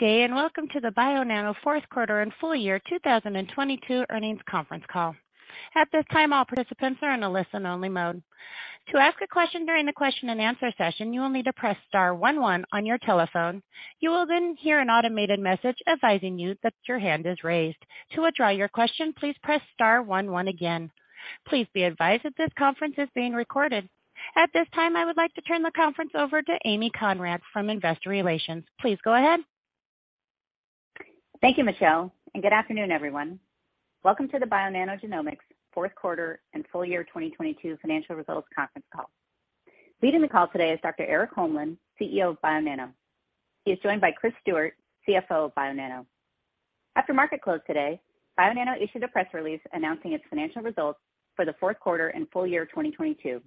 Good day, and welcome to the Bionano Fourth Quarter and Full Year 2022 earnings conference call. At this time, all participants are in a listen-only mode. To ask a question during the question-and-answer session, you will need to press star one one on your telephone. You will then hear an automated message advising you that your hand is raised. To withdraw your question, please press star one one again. Please be advised that this conference is being recorded. At this time, I would like to turn the conference over to Amy Conrad from Investor Relations. Please go ahead. Thank you, Michelle. Good afternoon, everyone. Welcome to the Bionano Genomics Fourth Quarter and Full Year 2022 Financial Results Conference Call. Leading the call today is Dr. Erik Holmlin, CEO of Bionano. He is joined by Chris Stewart, CFO of Bionano. After market close today, Bionano issued a press release announcing its financial results for the fourth quarter and full year 2022.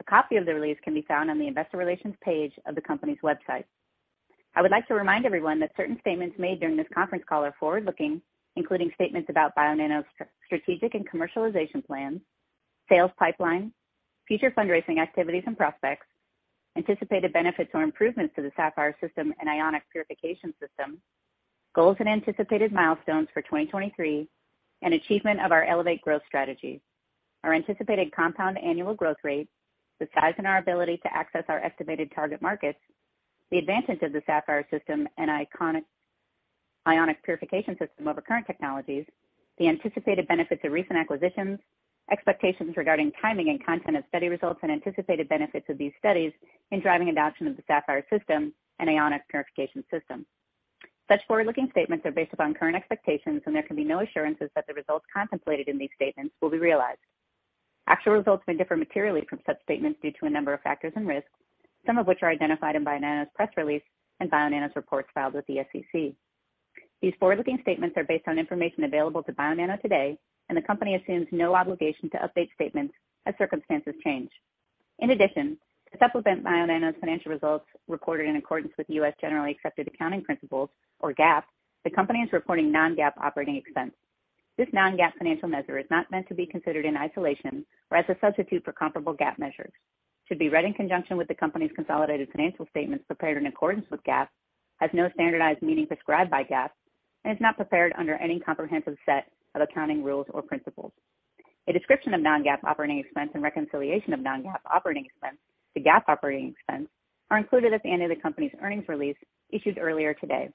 A copy of the release can be found on the investor relations page of the company's website. I would like to remind everyone that certain statements made during this conference call are forward-looking, including statements about Bionano's strategic and commercialization plans, sales pipeline, future fundraising activities and prospects, anticipated benefits or improvements to the Saphyr system and Ionic purification system, goals and anticipated milestones for 2023, and achievement of our ELEVATE growth strategy, our anticipated compound annual growth rate, the size and our ability to access our estimated target markets, the advantage of the Saphyr system and Ionic purification system over current technologies, the anticipated benefits of recent acquisitions, expectations regarding timing and content of study results, and anticipated benefits of these studies in driving adoption of the Saphyr system and Ionic purification system. Such forward-looking statements are based upon current expectations, and there can be no assurances that the results contemplated in these statements will be realized. Actual results may differ materially from such statements due to a number of factors and risks, some of which are identified in Bionano's press release and Bionano's reports filed with the SEC. These forward-looking statements are based on information available to Bionano today, and the company assumes no obligation to update statements as circumstances change. In addition, to supplement Bionano's financial results reported in accordance with U.S. Generally Accepted Accounting Principles, or GAAP, the company is reporting non-GAAP operating expense. This non-GAAP financial measure is not meant to be considered in isolation or as a substitute for comparable GAAP measures, should be read in conjunction with the company's consolidated financial statements prepared in accordance with GAAP, has no standardized meaning prescribed by GAAP, and is not prepared under any comprehensive set of accounting rules or principles. A description of non-GAAP operating expense and reconciliation of non-GAAP operating expense to GAAP operating expense are included at the end of the company's earnings release issued earlier today,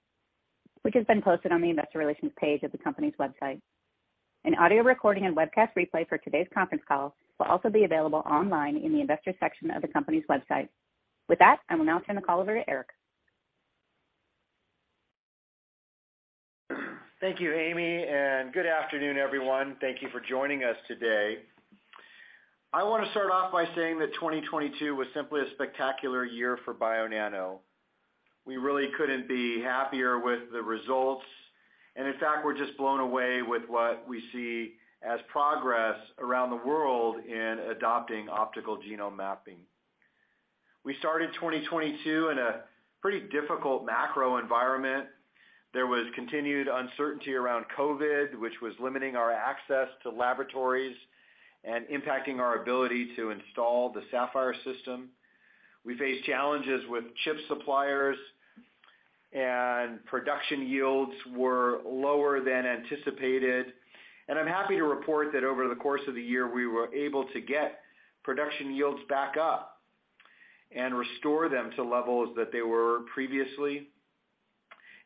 which has been posted on the investor relations page of the company's website. An audio recording and webcast replay for today's conference call will also be available online in the investors section of the company's website. With that, I will now turn the call over to Erik. Thank you, Amy. Good afternoon, everyone. Thank you for joining us today. I want to start off by saying that 2022 was simply a spectacular year for Bionano. We really couldn't be happier with the results. In fact, we're just blown away with what we see as progress around the world in adopting optical genome mapping. We started 2022 in a pretty difficult macro environment. There was continued uncertainty around COVID, which was limiting our access to laboratories and impacting our ability to install the Saphyr system. We faced challenges with chip suppliers, and production yields were lower than anticipated. I'm happy to report that over the course of the year, we were able to get production yields back up and restore them to levels that they were previously,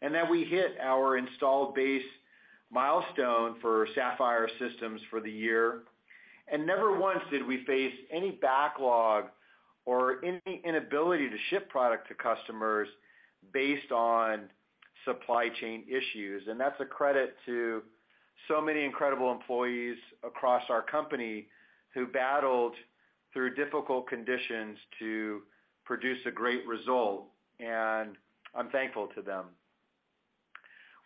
and that we hit our installed base milestone for Saphyr systems for the year. Never once did we face any backlog or any inability to ship product to customers based on supply chain issues. That's a credit to so many incredible employees across our company who battled through difficult conditions to produce a great result, and I'm thankful to them.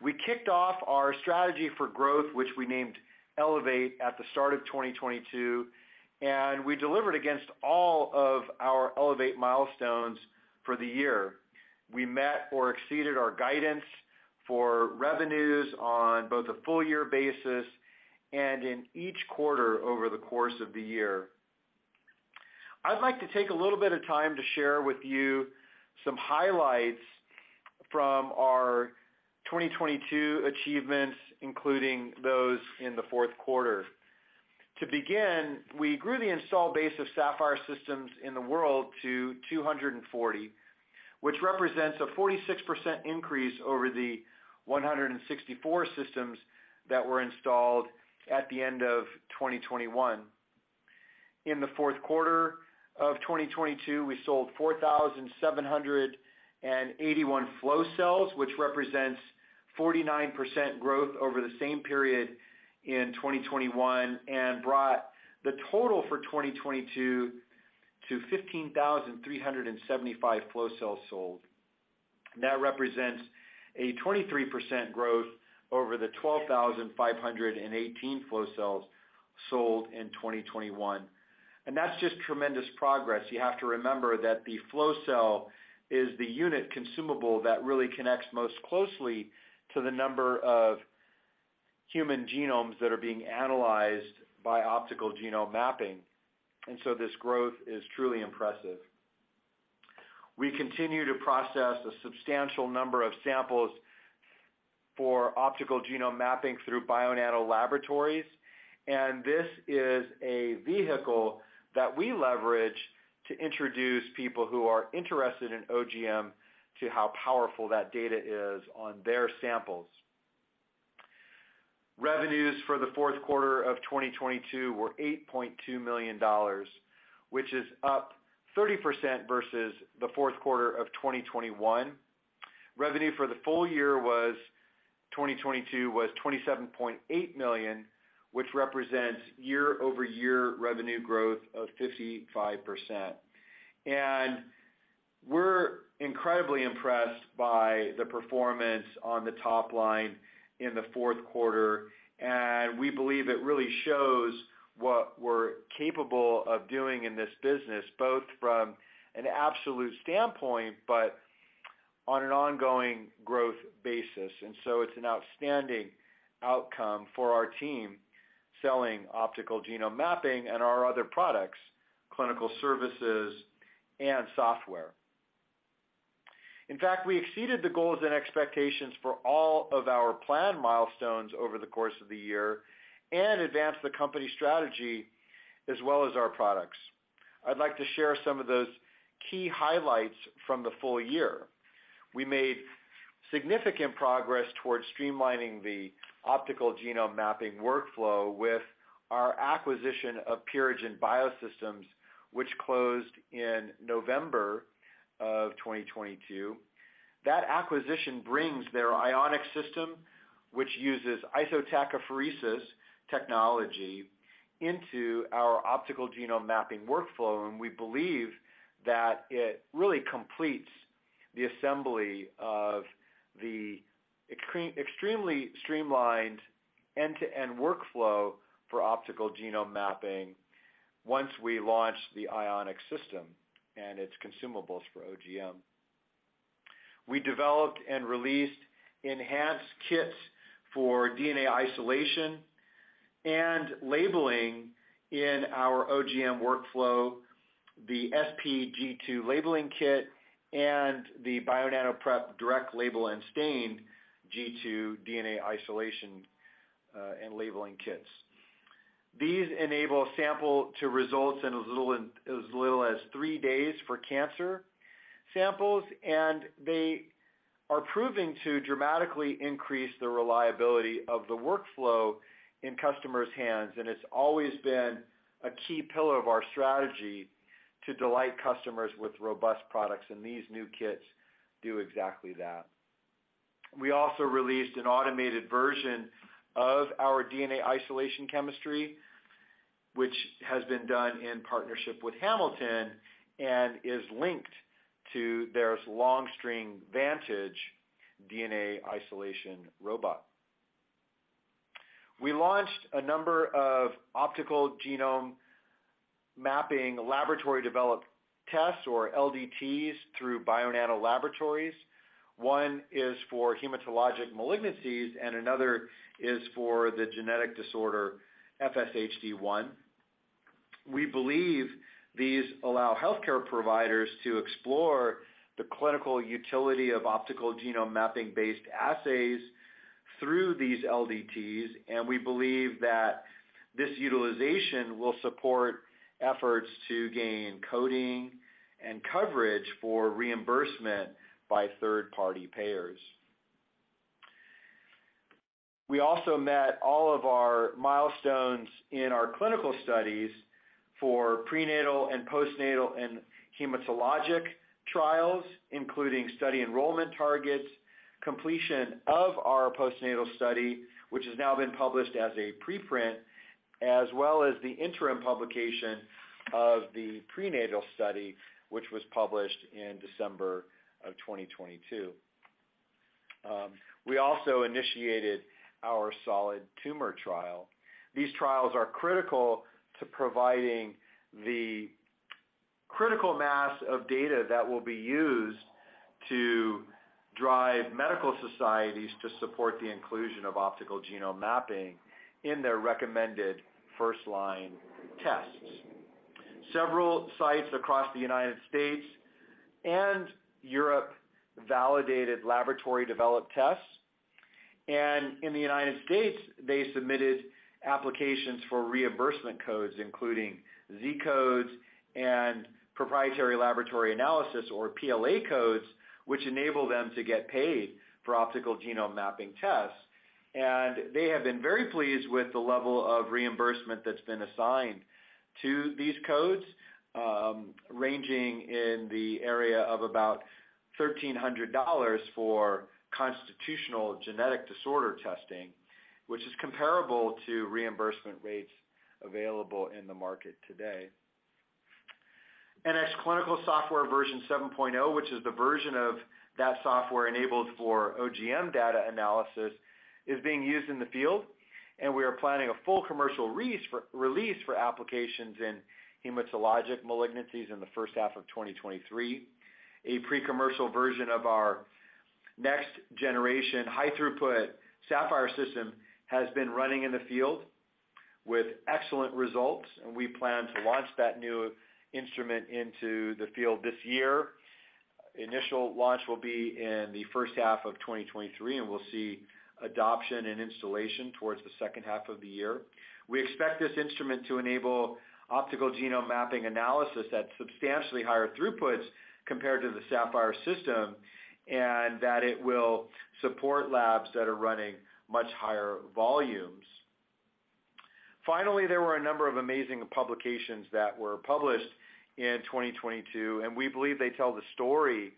We kicked off our strategy for growth, which we named ELEVATE, at the start of 2022, and we delivered against all of our ELEVATE milestones for the year. We met or exceeded our guidance for revenues on both a full year basis and in each quarter over the course of the year. I'd like to take a little bit of time to share with you some highlights from our 2022 achievements, including those in the fourth quarter. To begin, we grew the install base of Saphyr systems in the world to 240, which represents a 46% increase over the 164 systems that were installed at the end of 2021. In the fourth quarter of 2022, we sold 4,781 flow cells, which represents 49% growth over the same period in 2021, and brought the total for 2022 to 15,375 flow cells sold. That represents a 23% growth over the 12,518 flow cells sold in 2021. That's just tremendous progress. You have to remember that the flow cell is the unit consumable that really connects most closely to the number of human genomes that are being analyzed by optical genome mapping, this growth is truly impressive. We continue to process a substantial number of samples for optical genome mapping through Bionano Laboratories. This is a vehicle that we leverage to introduce people who are interested in OGM to how powerful that data is on their samples. Revenues for the fourth quarter of 2022 were $8.2 million, which is up 30% versus the fourth quarter of 2021. Revenue for the full year was, 2022, was $27.8 million, which represents year-over-year revenue growth of 55%. We're incredibly impressed by the performance on the top line in the fourth quarter, and we believe it really shows what we're capable of doing in this business, both from an absolute standpoint, but on an ongoing growth basis. It's an outstanding outcome for our team selling optical genome mapping and our other products, clinical services and software. In fact, we exceeded the goals and expectations for all of our planned milestones over the course of the year and advanced the company strategy as well as our products. I'd like to share some of those key highlights from the full year. We made significant progress towards streamlining the optical genome mapping workflow with our acquisition of Purigen Biosystems, which closed in November 2022. That acquisition brings their Ionic system, which uses isotachophoresis technology into our optical genome mapping workflow, and we believe that it really completes the assembly of the extremely streamlined end-to-end workflow for optical genome mapping once we launch the Ionic system and its consumables for OGM. We developed and released enhanced kits for DNA isolation and labeling in our OGM workflow, the SP-G2 labeling kit, and the Bionano Prep Direct Label and Stain-G2 DNA isolation and labeling kits. These enable sample to results in as little as 3 days for cancer samples. They are proving to dramatically increase the reliability of the workflow in customers' hands. It's always been a key pillar of our strategy to delight customers with robust products. These new kits do exactly that. We also released an automated version of our DNA isolation chemistry, which has been done in partnership with Hamilton and is linked to their Long String VANTAGE DNA isolation robot. We launched a number of optical genome mapping laboratory developed tests or LDTs through Bionano Laboratories. One is for hematologic malignancies, and another is for the genetic disorder FSHD1. We believe these allow healthcare providers to explore the clinical utility of Optical Genome Mapping-based assays through these LDTs. We believe that this utilization will support efforts to gain coding and coverage for reimbursement by third-party payers. We also met all of our milestones in our clinical studies for prenatal and postnatal and hematologic trials, including study enrollment targets, completion of our postnatal study, which has now been published as a preprint, as well as the interim publication of the prenatal study, which was published in December of 2022. We also initiated our solid tumor trial. These trials are critical to providing the critical mass of data that will be used to drive medical societies to support the inclusion of Optical Genome Mapping in their recommended first-line tests. Several sites across the U.S. and Europe validated laboratory-developed tests. In the United States, they submitted applications for reimbursement codes, including Z codes and proprietary laboratory analysis, or PLA codes, which enable them to get paid for optical genome mapping tests. They have been very pleased with the level of reimbursement that's been assigned to these codes, ranging in the area of about $1,300 for constitutional genetic disorder testing, which is comparable to reimbursement rates available in the market today. NxClinical software version 7.0, which is the version of that software enabled for OGM data analysis, is being used in the field, and we are planning a full commercial release for applications in hematologic malignancies in the first half of 2023. A pre-commercial version of our next generation high throughput Saphyr system has been running in the field with excellent results, and we plan to launch that new instrument into the field this year. Initial launch will be in the first half of 2023, and we'll see adoption and installation towards the second half of the year. We expect this instrument to enable optical genome mapping analysis at substantially higher throughputs compared to the Saphyr system, and that it will support labs that are running much higher volumes. Finally, there were a number of amazing publications that were published in 2022, and we believe they tell the story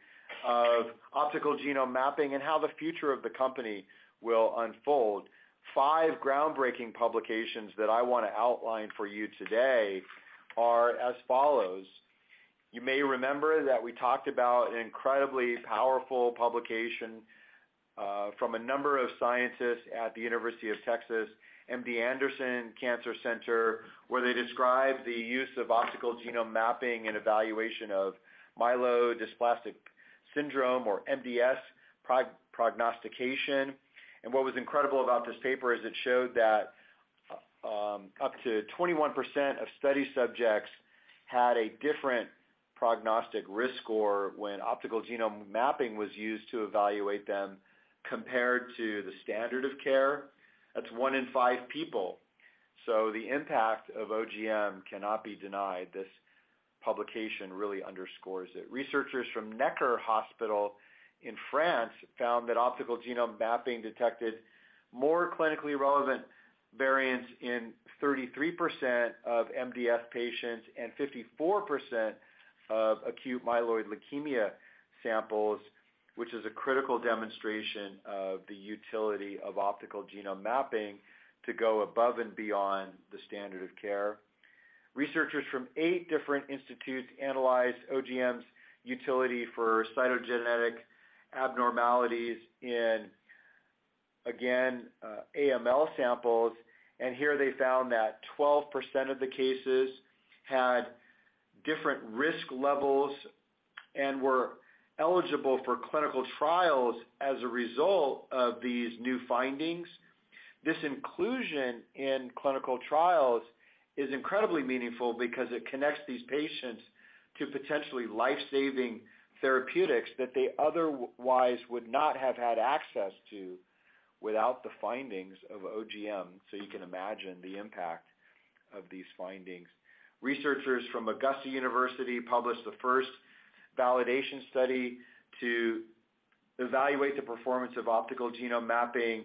of optical genome mapping and how the future of the company will unfold. Five groundbreaking publications that I wanna outline for you today are as follows. You may remember that we talked about an incredibly powerful publication from a number of scientists at the University of Texas MD Anderson Cancer Center, where they describe the use of optical genome mapping and evaluation of myelodysplastic syndrome, or MDS, prognostication. What was incredible about this paper is it showed that up to 21% of study subjects had a different prognostic risk score when optical genome mapping was used to evaluate them, compared to the standard of care. That's one in five people, the impact of OGM cannot be denied. This publication really underscores it. Researchers from Necker Hospital in France found that optical genome mapping detected more clinically relevant variants in 33% of MDS patients and 54% of acute myeloid leukemia samples, which is a critical demonstration of the utility of optical genome mapping to go above and beyond the standard of care. Researchers from 8 different institutes analyzed OGM's utility for cytogenetic abnormalities in, again, AML samples, here they found that 12% of the cases had different risk levels and were eligible for clinical trials as a result of these new findings. This inclusion in clinical trials is incredibly meaningful because it connects these patients to potentially life-saving therapeutics that they otherwise would not have had access to without the findings of OGM. You can imagine the impact of these findings. Researchers from Augusta University published the first validation study to evaluate the performance of optical genome mapping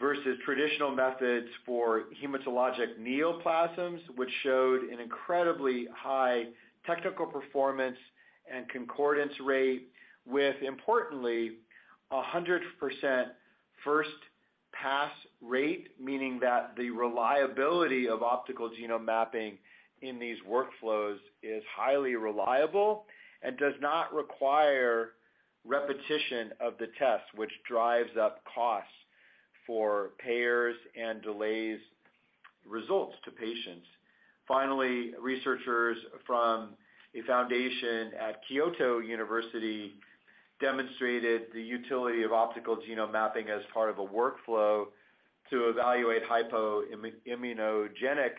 versus traditional methods for hematologic neoplasms, which showed an incredibly high technical performance and concordance rate with, importantly, a 100% first pass rate, meaning that the reliability of optical genome mapping in these workflows is highly reliable and does not require repetition of the test, which drives up costs for payers and delays results to patients. Researchers from a foundation at Kyoto University demonstrated the utility of optical genome mapping as part of a workflow to evaluate immunogenic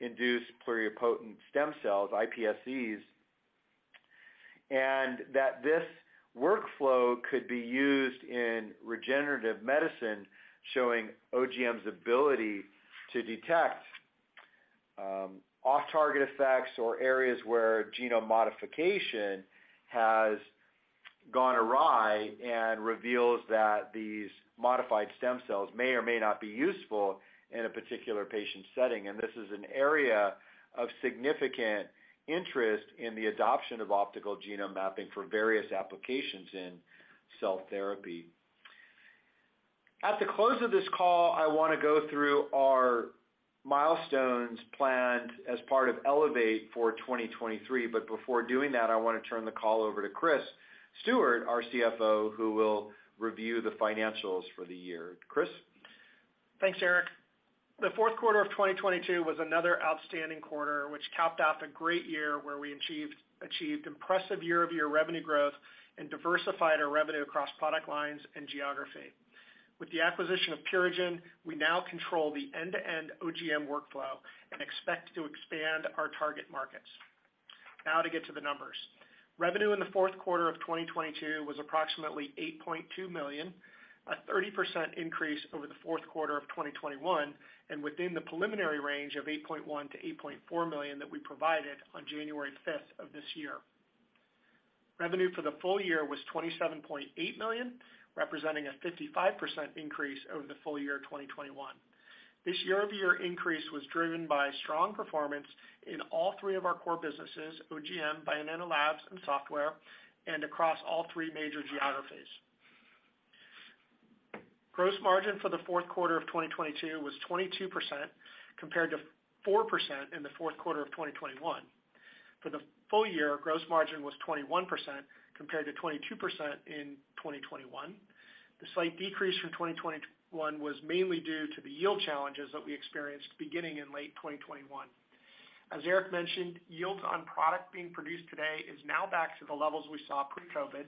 induced pluripotent stem cells, iPSCs, and that this workflow could be used in regenerative medicine, showing OGM's ability to detect off-target effects or areas where genome modification has gone awry and reveals that these modified stem cells may or may not be useful in a particular patient setting. This is an area of significant interest in the adoption of optical genome mapping for various applications in cell therapy. At the close of this call, I wanna go through our milestones planned as part of ELEVATE for 2023. Before doing that, I wanna turn the call over to Chris Stewart, our CFO, who will review the financials for the year. Chris? Thanks, Erik. The fourth quarter of 2022 was another outstanding quarter, which capped off a great year where we achieved impressive year-over-year revenue growth and diversified our revenue across product lines and geography. With the acquisition of Purigen, we now control the end-to-end OGM workflow and expect to expand our target markets. To get to the numbers. Revenue in the fourth quarter of 2022 was approximately $8.2 million, a 30% increase over the fourth quarter of 2021, and within the preliminary range of $8.1 million-$8.4 million that we provided on January 5 of this year. Revenue for the full year was $27.8 million, representing a 55% increase over the full year 2021. This year-over-year increase was driven by strong performance in all three of our core businesses, OGM, Bionano labs, and software, and across all three major geographies. Gross margin for the fourth quarter of 2022 was 22%, compared to 4% in the fourth quarter of 2021. For the full year, gross margin was 21%, compared to 22% in 2021. The slight decrease from 2021 was mainly due to the yield challenges that we experienced beginning in late 2021. As Eric mentioned, yields on product being produced today is now back to the levels we saw pre-COVID,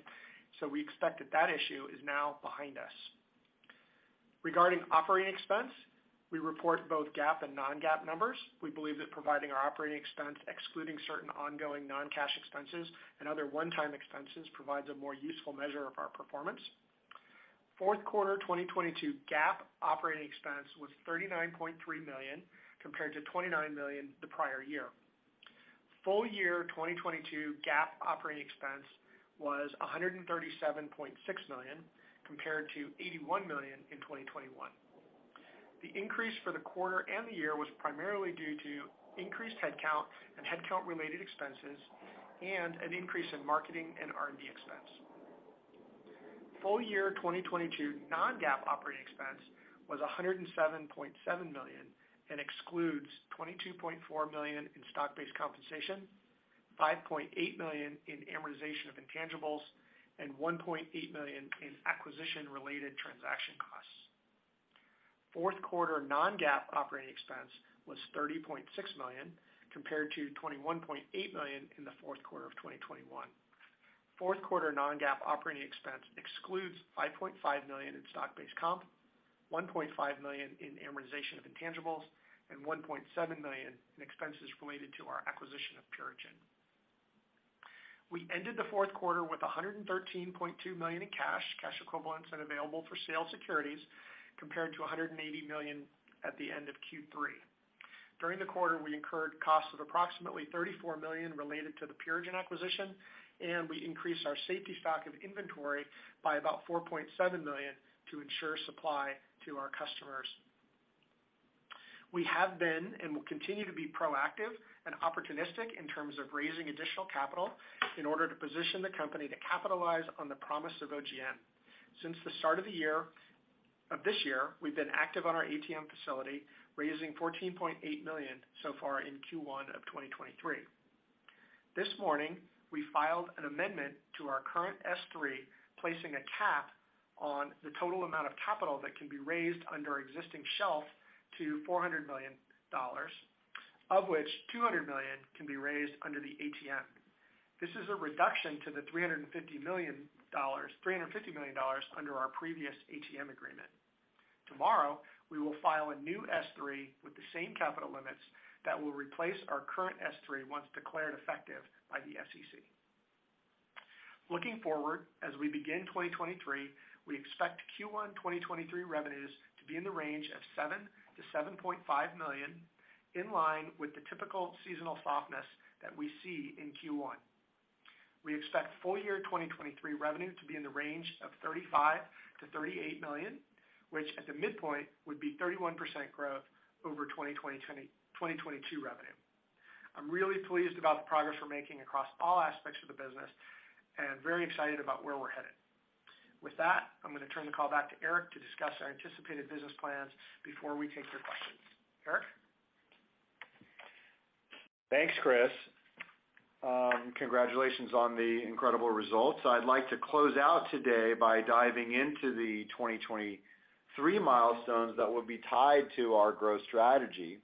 we expect that that issue is now behind us. Regarding operating expense, we report both GAAP and non-GAAP numbers. We believe that providing our operating expense, excluding certain ongoing non-cash expenses and other one-time expenses, provides a more useful measure of our performance. Fourth quarter 2022 GAAP operating expense was $39.3 million, compared to $29 million the prior year. Full year 2022 GAAP operating expense was $137.6 million, compared to $81 million in 2021. The increase for the quarter and the year was primarily due to increased headcount and headcount-related expenses and an increase in marketing and R&D expense. Full year 2022 non-GAAP operating expense was $107.7 million, and excludes $22.4 million in stock-based compensation, $5.8 million in amortization of intangibles, and $1.8 million in acquisition-related transaction costs. Fourth quarter non-GAAP operating expense was $30.6 million, compared to $21.8 million in the fourth quarter of 2021. Fourth quarter non-GAAP operating expense excludes $5.5 million in stock-based comp, $1.5 million in amortization of intangibles, and $1.7 million in expenses related to our acquisition of Purigen. We ended the fourth quarter with $113.2 million in cash equivalents and available-for-sale securities, compared to $180 million at the end of Q3. During the quarter, we incurred costs of approximately $34 million related to the Purigen acquisition, and we increased our safety stock of inventory by about $4.7 million to ensure supply to our customers. We have been and will continue to be proactive and opportunistic in terms of raising additional capital in order to position the company to capitalize on the promise of OGM. Since the start of the year, of this year, we've been active on our ATM facility, raising $14.8 million so far in Q1 of 2023. This morning, we filed an amendment to our current S-3, placing a cap on the total amount of capital that can be raised under our existing shelf to $400 million, of which $200 million can be raised under the ATM. This is a reduction to the $350 million under our previous ATM agreement. Tomorrow, we will file a new S-3 with the same capital limits that will replace our current S-3 once declared effective by the SEC. Looking forward, as we begin 2023, we expect Q1 2023 revenues to be in the range of $7 million-$7.5 million, in line with the typical seasonal softness that we see in Q1. We expect full year 2023 revenue to be in the range of $35 million-$38 million, which at the midpoint would be 31% growth over 2022 revenue. I'm really pleased about the progress we're making across all aspects of the business and very excited about where we're headed. With that, I'm gonna turn the call back to Erik to discuss our anticipated business plans before we take your questions. Erik? Thanks, Chris. Congratulations on the incredible results. I'd like to close out today by diving into the 2023 milestones that will be tied to our growth strategy.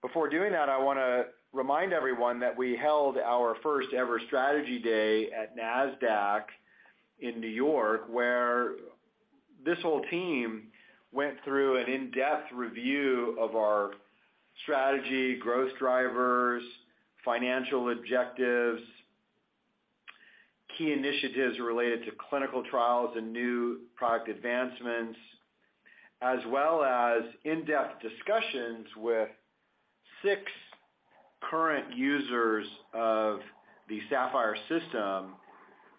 Before doing that, I wanna remind everyone that we held our first-ever Strategy Day at Nasdaq in New York, where this whole team went through an in-depth review of our strategy, growth drivers, financial objectives, key initiatives related to clinical trials and new product advancements, as well as in-depth discussions with 6 current users of the Saphyr system,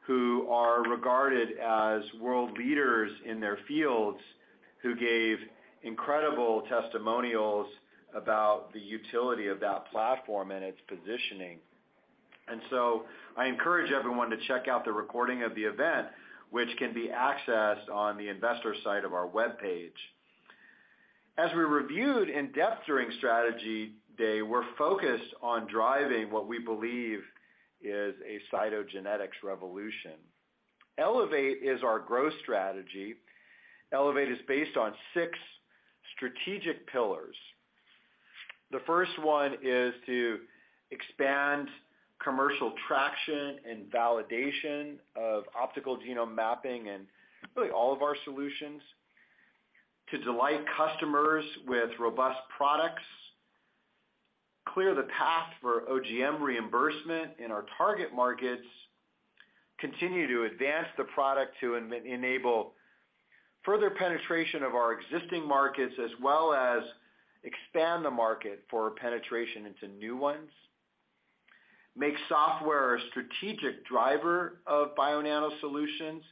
who are regarded as world leaders in their fields, who gave incredible testimonials about the utility of that platform and its positioning. I encourage everyone to check out the recording of the event, which can be accessed on the investor side of our webpage. As we reviewed in depth during Strategy Day, we're focused on driving what we believe is a cytogenetics revolution. ELEVATE is our growth strategy. ELEVATE is based on 6 strategic pillars. The first one is to expand commercial traction and validation of optical genome mapping and really all of our solutions, to delight customers with robust products, clear the path for OGM reimbursement in our target markets, continue to advance the product to enable further penetration of our existing markets, as well as expand the market for penetration into new ones, make software a strategic driver of Bionano solutions,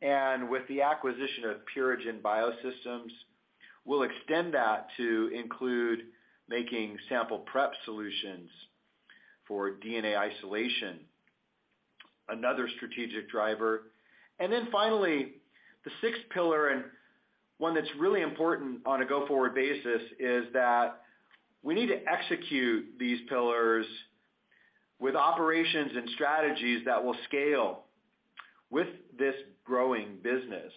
and with the acquisition of Purigen Biosystems, we'll extend that to include making sample prep solutions for DNA isolation, another strategic driver. Finally, the sixth pillar, and one that's really important on a go-forward basis, is that we need to execute these pillars with operations and strategies that will scale with this growing business.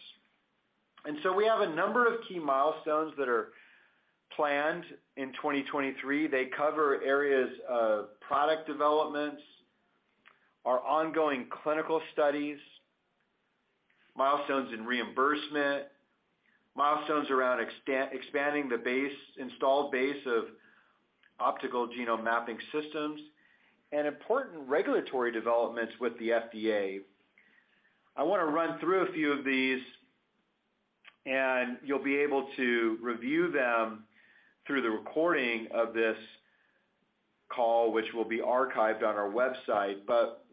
We have a number of key milestones that are planned in 2023. They cover areas of product developments, our ongoing clinical studies, milestones in reimbursement, milestones around expanding the base, installed base of optical genome mapping systems, and important regulatory developments with the FDA. I want to run through a few of these, and you'll be able to review them through the recording of this call, which will be archived on our website.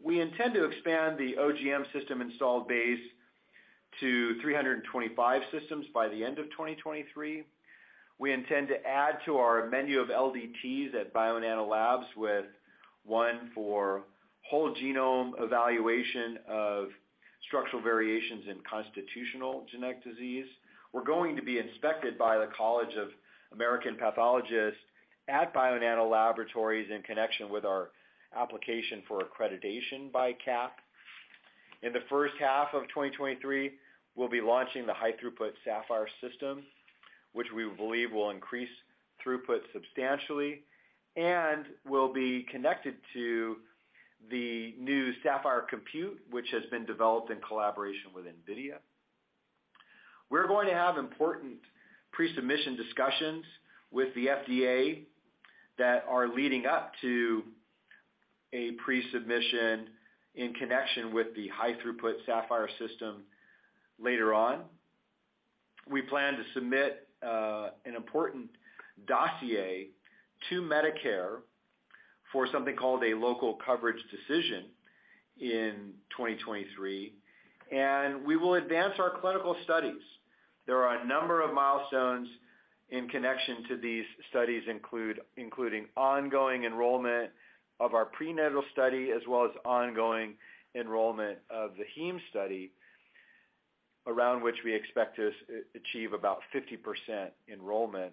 We intend to expand the OGM system installed base to 325 systems by the end of 2023. We intend to add to our menu of LDTs at Bionano Labs, with one for whole genome evaluation of structural variations in constitutional genetic disease. We're going to be inspected by the College of American Pathologists at Bionano Laboratories in connection with our application for accreditation by CAP. In the first half of 2023, we'll be launching the high throughput Saphyr system, which we believe will increase throughput substantially and will be connected to the new Saphyr Compute, which has been developed in collaboration with NVIDIA. We're going to have important pre-submission discussions with the FDA that are leading up to a pre-submission in connection with the high throughput Saphyr system later on. We plan to submit an important dossier to Medicare for something called a local coverage determination in 2023, and we will advance our clinical studies. There are a number of milestones in connection to these studies, including ongoing enrollment of our prenatal study, as well as ongoing enrollment of the heme study, around which we expect to achieve about 50% enrollment.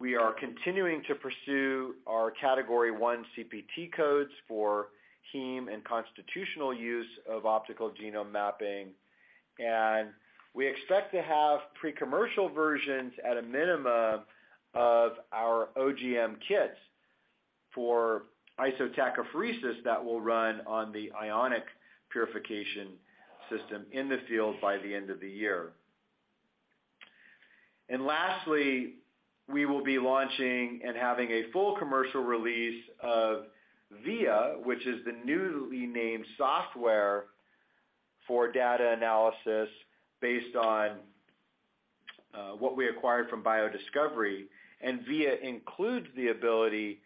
We are continuing to pursue our category one CPT codes for heme and constitutional use of optical genome mapping, and we expect to have pre-commercial versions at a minimum of our OGM kits for isotachophoresis that will run on the Ionic purification system in the field by the end of the year. Lastly, we will be launching and having a full commercial release of VIA, which is the newly named software for data analysis based on what we acquired from BioDiscovery, and VIA includes the ability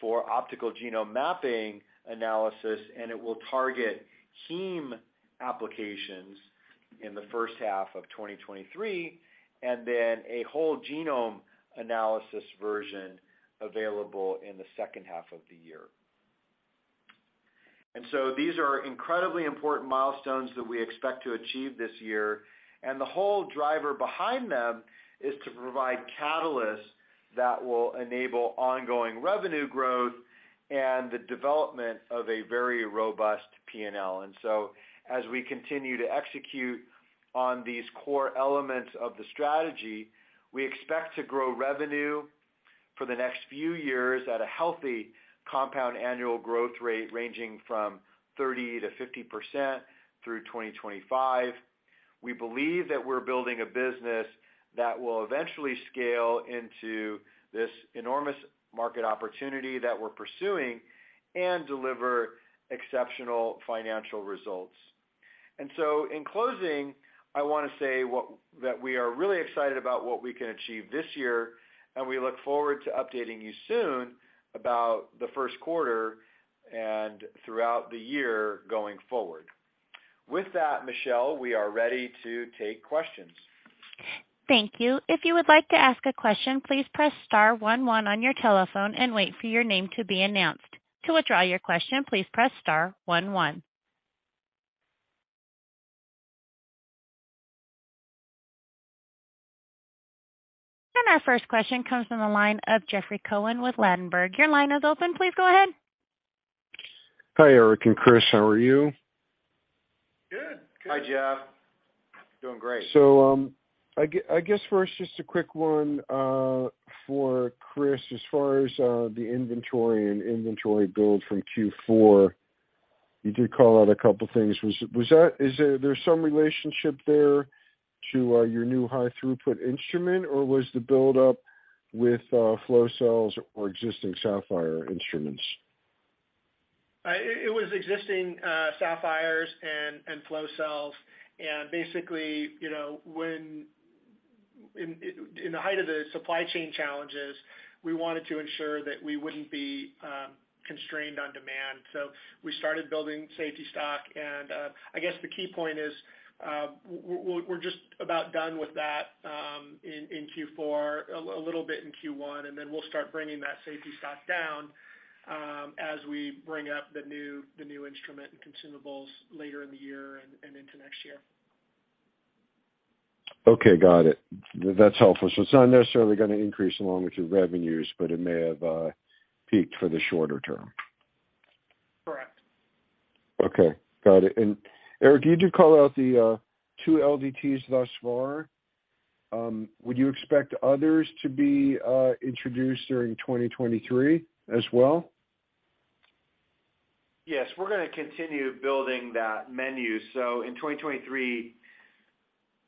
for optical genome mapping analysis, and it will target heme applications in the first half of 2023, and then a whole genome analysis version available in the second half of the year. These are incredibly important milestones that we expect to achieve this year, and the whole driver behind them is to provide catalysts that will enable ongoing revenue growth and the development of a very robust P&L. As we continue to execute on these core elements of the strategy, we expect to grow revenue for the next few years at a healthy compound annual growth rate ranging from 30%-50% through 2025. We believe that we're building a business that will eventually scale into this enormous market opportunity that we're pursuing and deliver exceptional financial results. In closing, I want to say that we are really excited about what we can achieve this year, and we look forward to updating you soon about the first quarter and throughout the year going forward. With that, Michelle, we are ready to take questions. Thank you. If you would like to ask a question, please press star one one on your telephone and wait for your name to be announced. To withdraw your question, please press star one one. Our first question comes from the line of Jeffrey Cohen with Ladenburg. Your line is open. Please go ahead. Hi, Erik and Chris, how are you? Good. Good. Hi, Jeff. Doing great. I guess first, just a quick one for Chris, as far as the inventory and inventory build from Q4, you did call out a couple things. Was that is there some relationship there to your new high throughput instrument, or was the build-up with flow cells or existing Saphyr instruments? It was existing Saphyr and flow cells. Basically, you know, in the height of the supply chain challenges, we wanted to ensure that we wouldn't be constrained on demand. We started building safety stock. I guess the key point is, we're just about done with that in Q4, a little bit in Q1, then we'll start bringing that safety stock down as we bring up the new instrument and consumables later in the year and into next year. Okay, got it. That's helpful. It's not necessarily gonna increase along with your revenues, but it may have peaked for the shorter term. Correct. Okay, got it. Erik, you did call out the 2 LDTs thus far. Would you expect others to be introduced during 2023 as well? Yes, we're gonna continue building that menu. In 2023,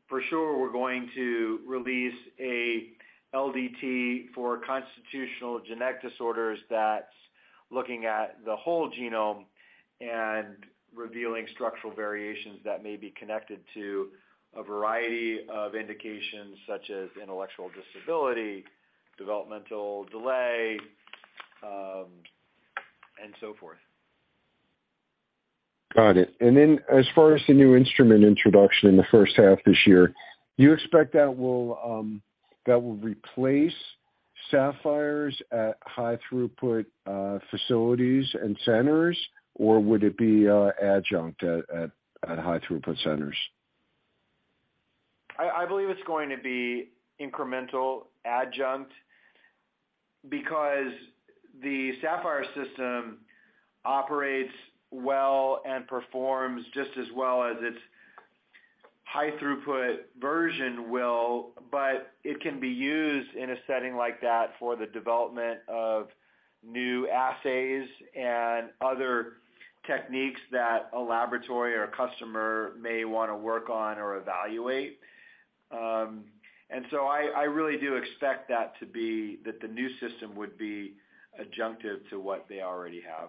for sure, we're going to release a LDT for constitutional genetic disorders that's looking at the whole genome and revealing structural variations that may be connected to a variety of indications such as intellectual disability, developmental delay, and so forth. Got it. As far as the new instrument introduction in the first half this year, do you expect that will replace Saphyr at high throughput facilities and centers, or would it be adjunct at high throughput centers? I believe it's going to be incremental adjunct because the Saphyr system operates well and performs just as well as its high throughput version will, but it can be used in a setting like that for the development of new assays and other techniques that a laboratory or a customer may wanna work on or evaluate. I really do expect that to be that the new system would be adjunctive to what they already have.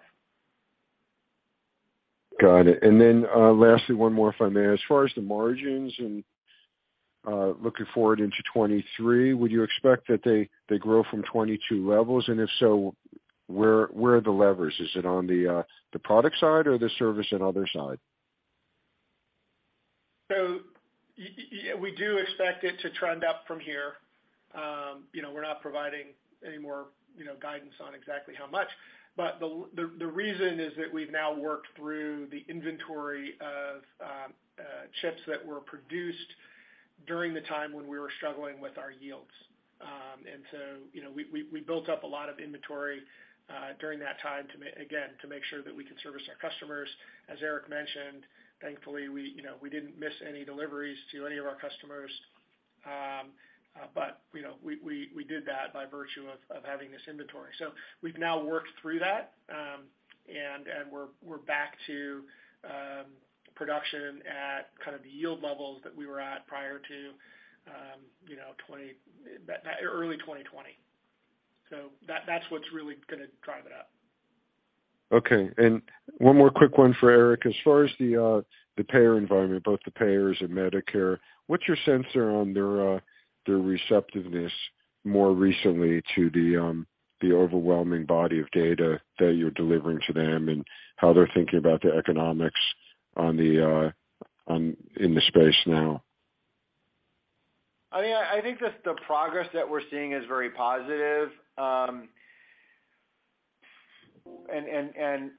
Got it. Lastly, one more, if I may. As far as the margins and, looking forward into 2023, would you expect that they grow from 2022 levels, and if so, where are the levers? Is it on the product side or the service and other side? Yeah, we do expect it to trend up from here. You know, we're not providing any more, you know, guidance on exactly how much, but the reason is that we've now worked through the inventory of chips that were produced during the time when we were struggling with our yields. You know, we built up a lot of inventory during that time again, to make sure that we could service our customers. As Erik Holmlin mentioned, thankfully, we, you know, we didn't miss any deliveries to any of our customers. You know, we did that by virtue of having this inventory. We've now worked through that, and we're back to production at kind of the yield levels that we were at prior to early 2020. That's what's really gonna drive it up. Okay. One more quick one for Erik. As far as the payer environment, both the payers and Medicare, what's your sense on their receptiveness more recently to the overwhelming body of data that you're delivering to them and how they're thinking about the economics in the space now? I mean, I think that the progress that we're seeing is very positive. And,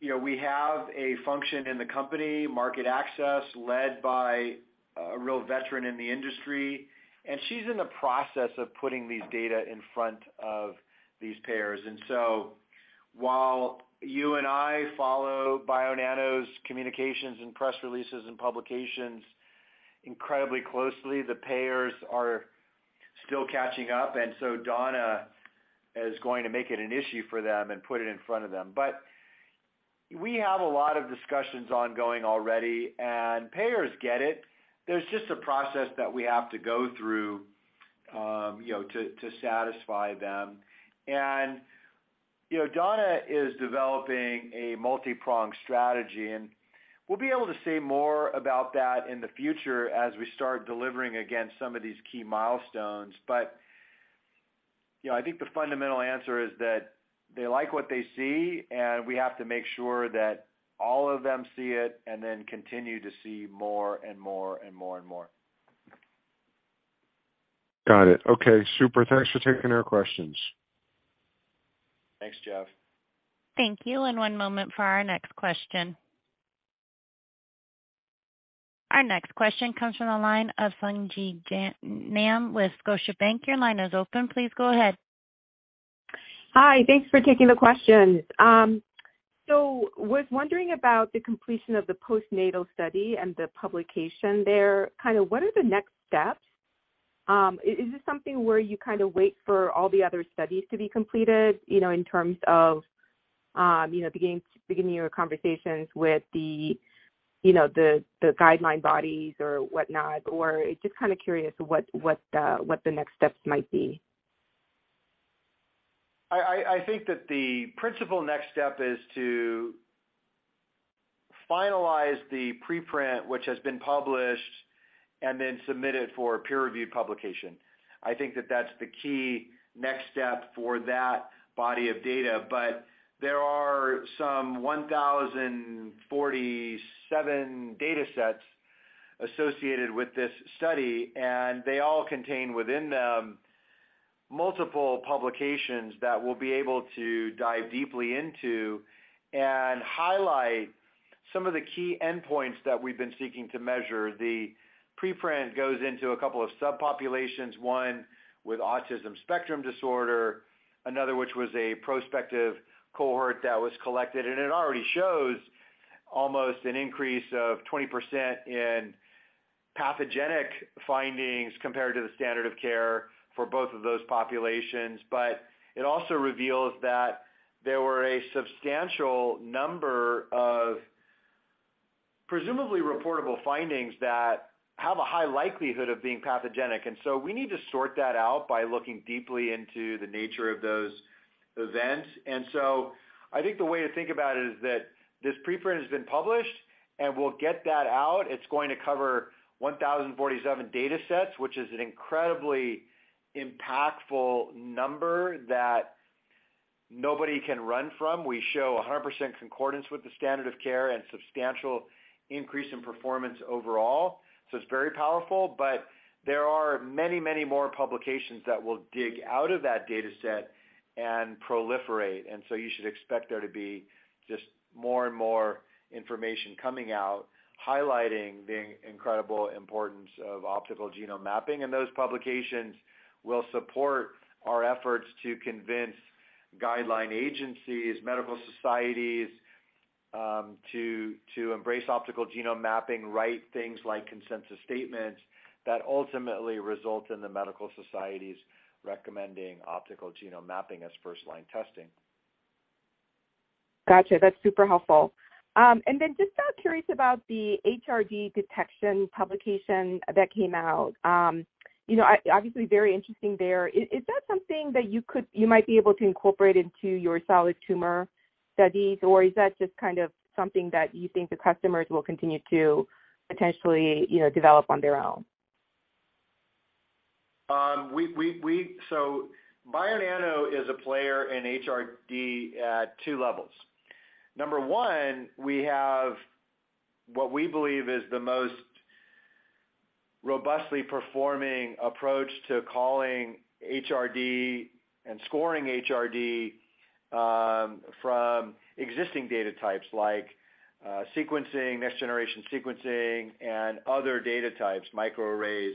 you know, we have a function in the company, market access, led by a real veteran in the industry, and she's in the process of putting these data in front of these payers. While you and I follow Bionano's communications and press releases and publications incredibly closely, the payers are still catching up. Donna is going to make it an issue for them and put it in front of them. We have a lot of discussions ongoing already, and payers get it. There's just a process that we have to go through, you know, to satisfy them. You know, Donna is developing a multi-pronged strategy, and we'll be able to say more about that in the future as we start delivering against some of these key milestones. You know, I think the fundamental answer is that they like what they see, and we have to make sure that all of them see it and then continue to see more and more and more and more. Got it. Okay, super. Thanks for taking our questions. Thanks, Jeff. Thank you. One moment for our next question. Our next question comes from the line of Sung Ji Nam with Scotiabank. Your line is open. Please go ahead. Hi. Thanks for taking the question. Was wondering about the completion of the postnatal study and the publication there. Kinda what are the next steps? Is this something where you kind of wait for all the other studies to be completed, you know, in terms of, you know, beginning your conversations with the, you know, the guideline bodies or whatnot? Or just kinda curious what, what the next steps might be. I think that the principal next step is to finalize the preprint, which has been published, and then submit it for peer review publication. I think that that's the key next step for that body of data. There are some 1,047 datasets associated with this study, and they all contain within them Multiple publications that we'll be able to dive deeply into and highlight some of the key endpoints that we've been seeking to measure. The preprint goes into a couple of subpopulations, one with autism spectrum disorder, another which was a prospective cohort that was collected, and it already shows almost an increase of 20% in pathogenic findings compared to the standard of care for both of those populations. It also reveals that there were a substantial number of presumably reportable findings that have a high likelihood of being pathogenic. We need to sort that out by looking deeply into the nature of those events. I think the way to think about it is that this preprint has been published, and we'll get that out. It's going to cover 1,047 data sets, which is an incredibly impactful number that nobody can run from. We show 100% concordance with the standard of care and substantial increase in performance overall. It's very powerful, but there are many, many more publications that will dig out of that data set and proliferate. You should expect there to be just more and more information coming out, highlighting the incredible importance of optical genome mapping. Those publications will support our efforts to convince guideline agencies, medical societies, to embrace optical genome mapping, write things like consensus statements that ultimately result in the medical societies recommending optical genome mapping as first-line testing. Gotcha. That's super helpful. Just curious about the HRD detection publication that came out. You know, obviously very interesting there. Is that something that you might be able to incorporate into your solid tumor studies? Or is that just kind of something that you think the customers will continue to potentially, you know, develop on their own? Bionano is a player in HRD at two levels. Number one, we have what we believe is the most robustly performing approach to calling HRD and scoring HRD from existing data types like sequencing, next-generation sequencing and other data types, microarrays.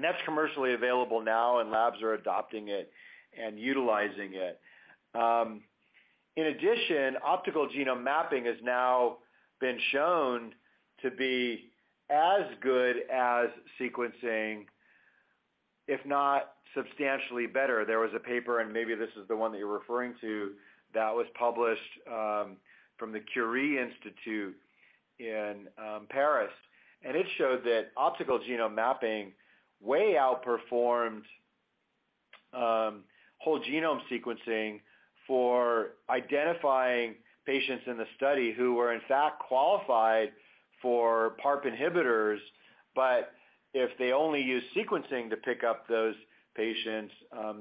That's commercially available now and labs are adopting it and utilizing it. In addition, optical genome mapping has now been shown to be as good as sequencing, if not substantially better. There was a paper, and maybe this is the one that you're referring to, that was published from the Institut Curie in Paris, and it showed that optical genome mapping way outperformed whole genome sequencing for identifying patients in the study who were in fact qualified for PARP inhibitors. If they only used sequencing to pick up those patients,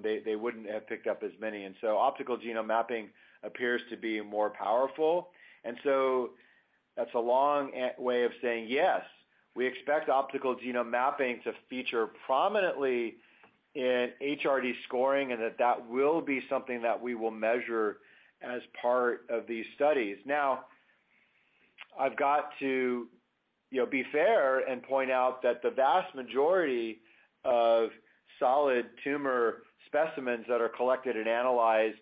they wouldn't have picked up as many. Optical genome mapping appears to be more powerful. That's a long way of saying, yes, we expect optical genome mapping to feature prominently in HRD scoring, and that that will be something that we will measure as part of these studies. I've got to, you know, be fair and point out that the vast majority of solid tumor specimens that are collected and analyzed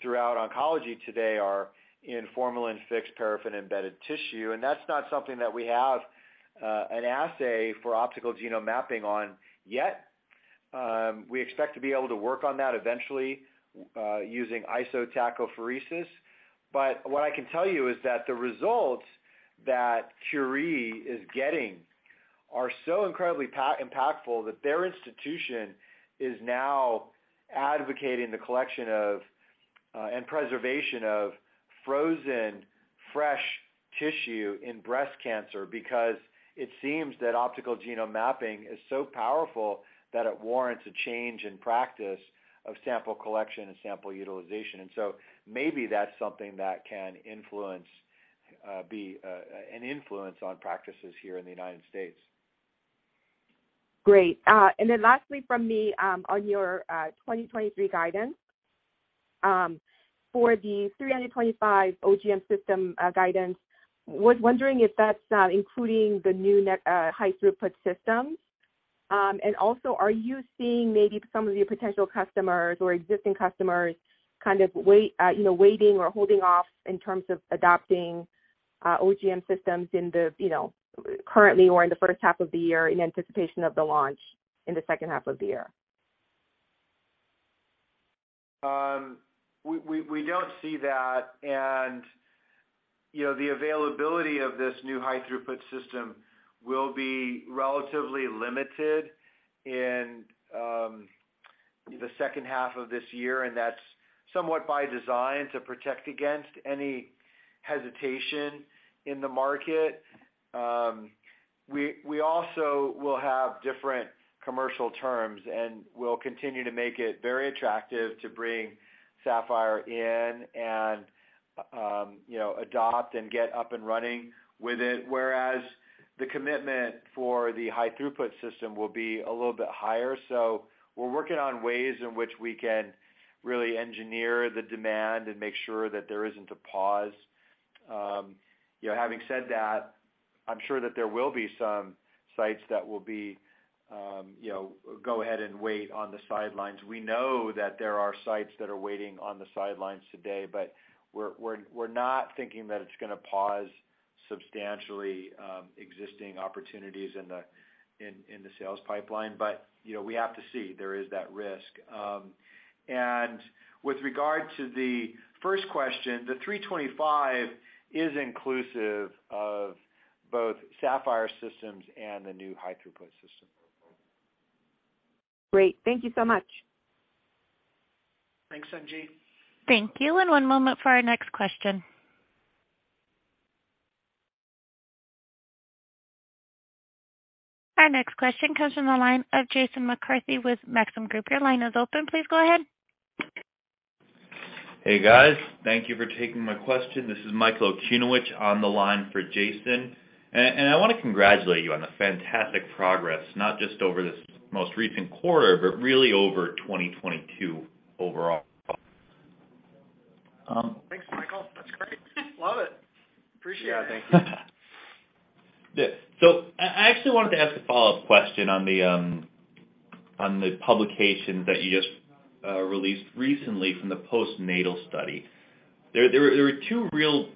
throughout oncology today are in formalin-fixed, paraffin-embedded tissue. That's not something that we have an assay for optical genome mapping on yet. We expect to be able to work on that eventually, using isotachophoresis. What I can tell you is that the results that Curie is getting are so incredibly impactful that their institution is now advocating the collection of and preservation of frozen fresh tissue in breast cancer because it seems that optical genome mapping is so powerful that it warrants a change in practice of sample collection and sample utilization. Maybe that's something that can influence, be an influence on practices here in the United States. Great. Then lastly from me, on your 2023 guidance, for the 325 OGM system, guidance, I was wondering if that's including the new net high-throughput systems. Also, are you seeing maybe some of your potential customers or existing customers kind of wait, waiting or holding off in terms of adopting OGM systems in the currently or in the first half of the year in anticipation of the launch in the second half of the year? We don't see that. You know, the availability of this new high-throughput system will be relatively limited in the second half of this year, and that's somewhat by design to protect against any hesitation in the market. We also will have different commercial terms, and we'll continue to make it very attractive to bring Saphyr in and, you know, adopt and get up and running with it, whereas the commitment for the high throughput system will be a little bit higher. We're working on ways in which we can really engineer the demand and make sure that there isn't a pause. You know, having said that, I'm sure that there will be some sites that will be, you know, go ahead and wait on the sidelines. We know that there are sites that are waiting on the sidelines today, but we're not thinking that it's gonna pause substantially, existing opportunities in the sales pipeline. You know, we have to see there is that risk. With regard to the first question, the 325 is inclusive of both Saphyr systems and the new high throughput system. Great. Thank you so much. Thanks, Sanjeev. Thank you. One moment for our next question. Our next question comes from the line of Jason McCarthy with Maxim Group. Your line is open. Please go ahead. Hey, guys. Thank you for taking my question. This is Michael Okunewitch on the line for Jason. I want to congratulate you on the fantastic progress, not just over this most recent quarter, but really over 2022 overall. Thanks, Michael. That's great. Love it. Appreciate it. Yeah. Thank you. I actually wanted to ask a follow-up question on the publication that you just released recently from the postnatal study. There were 2 real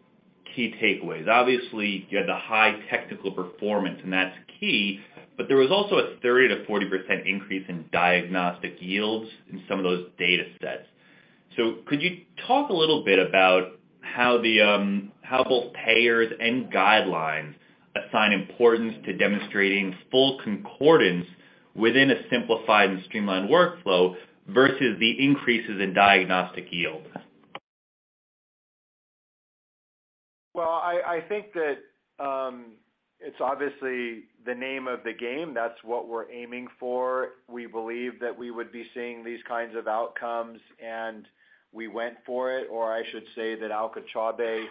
key takeaways. Obviously, you had the high technical performance, and that's key, but there was also a 30%-40% increase in diagnostic yields in some of those data sets. Could you talk a little bit about how both payers and guidelines assign importance to demonstrating full concordance within a simplified and streamlined workflow versus the increases in diagnostic yield? I think that it's obviously the name of the game. That's what we're aiming for. We believe that we would be seeing these kinds of outcomes, and we went for it, or I should say that Alka Chaubey,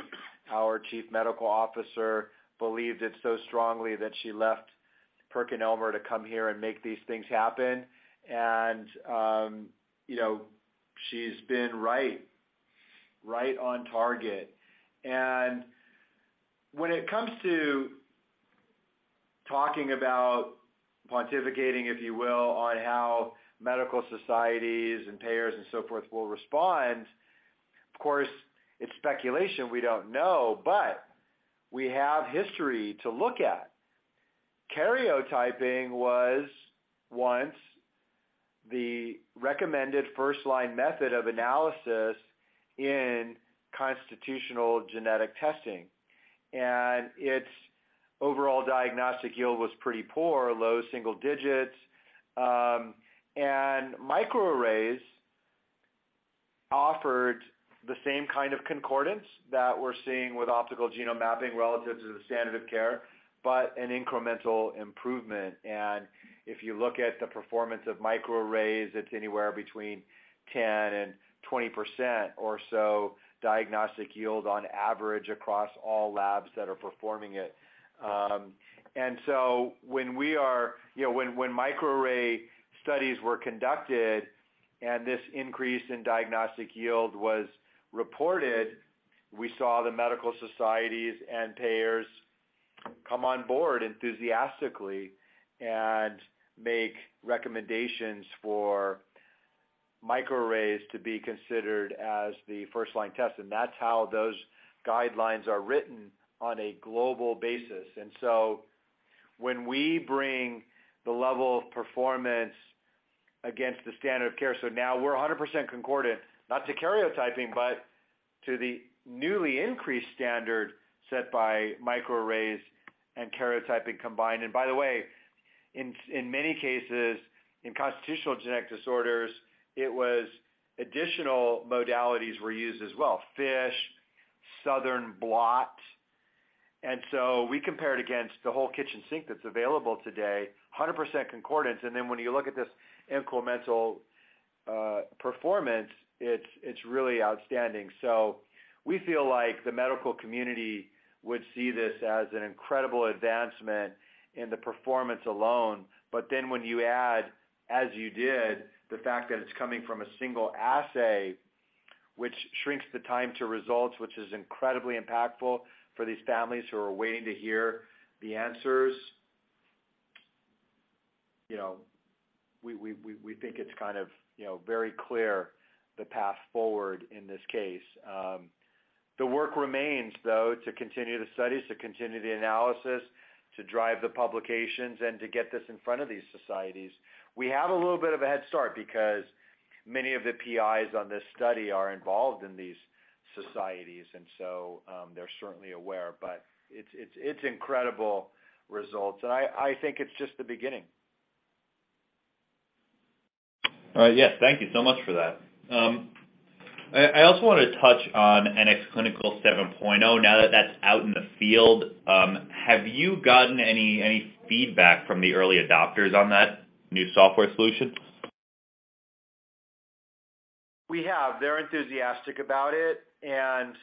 our Chief Medical Officer, believed it so strongly that she left PerkinElmer to come here and make these things happen. You know, she's been right on target. When it comes to talking about pontificating, if you will, on how medical societies and payers and so forth will respond, of course, it's speculation we don't know, but we have history to look at. Karyotyping was once the recommended first-line method of analysis in constitutional genetic testing, and its overall diagnostic yield was pretty poor, low single digits. Microarrays offered the same kind of concordance that we're seeing with optical genome mapping relative to the standard of care, but an incremental improvement. If you look at the performance of microarrays, it's anywhere between 10%-20% or so diagnostic yield on average across all labs that are performing it. So when we are, you know, when microarray studies were conducted and this increase in diagnostic yield was reported, we saw the medical societies and payers come on board enthusiastically and make recommendations for microarrays to be considered as the first-line test. That's how those guidelines are written on a global basis. So when we bring the level of performance against the standard of care, so now we're 100% concordant, not to karyotyping, but to the newly increased standard set by microarrays and karyotyping combined. By the way, in many cases, in constitutional genetic disorders, it was additional modalities were used as well, FISH, Southern blot. So we compared against the whole kitchen sink that's available today, 100% concordance. When you look at this incremental performance, it's really outstanding. We feel like the medical community would see this as an incredible advancement in the performance alone. When you add, as you did, the fact that it's coming from a single assay, which shrinks the time to results, which is incredibly impactful for these families who are waiting to hear the answers, you know, we think it's kind of, you know, very clear the path forward in this case. The work remains, though, to continue the studies, to continue the analysis, to drive the publications, and to get this in front of these societies. We have a little bit of a head start because many of the PIs on this study are involved in these societies, they're certainly aware. It's incredible results. I think it's just the beginning. All right. Yes, thank you so much for that. I also want to touch on NxClinical 7.0, now that that's out in the field, have you gotten any feedback from the early adopters on that new software solution? We have. They're enthusiastic about it and,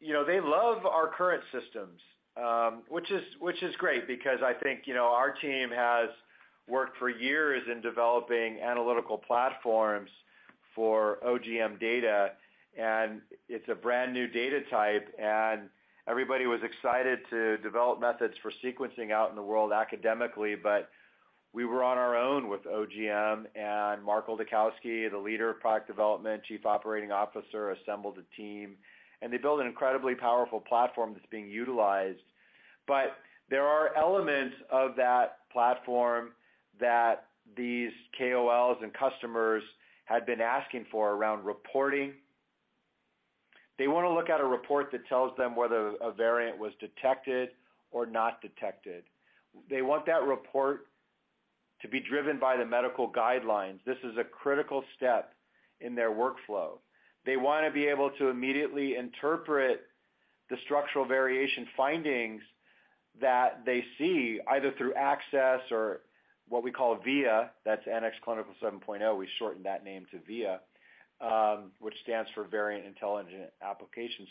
you know, they love our current systems, which is great because I think, you know, our team has worked for years in developing analytical platforms for OGM data, and it's a brand-new data type. Everybody was excited to develop methods for sequencing out in the world academically, but we were on our own with OGM and Mark Oldakowski, the leader of product development, chief operating officer, assembled a team, and they built an incredibly powerful platform that's being utilized. There are elements of that platform that these KOLs and customers had been asking for around reporting. They want to look at a report that tells them whether a variant was detected or not detected. They want that report to be driven by the medical guidelines. This is a critical step in their workflow. They want to be able to immediately interpret the structural variation findings that they see either through Access or what we call VIA, that's NxClinical 7.0. We shortened that name to VIA, which stands for Variant Intelligent Application.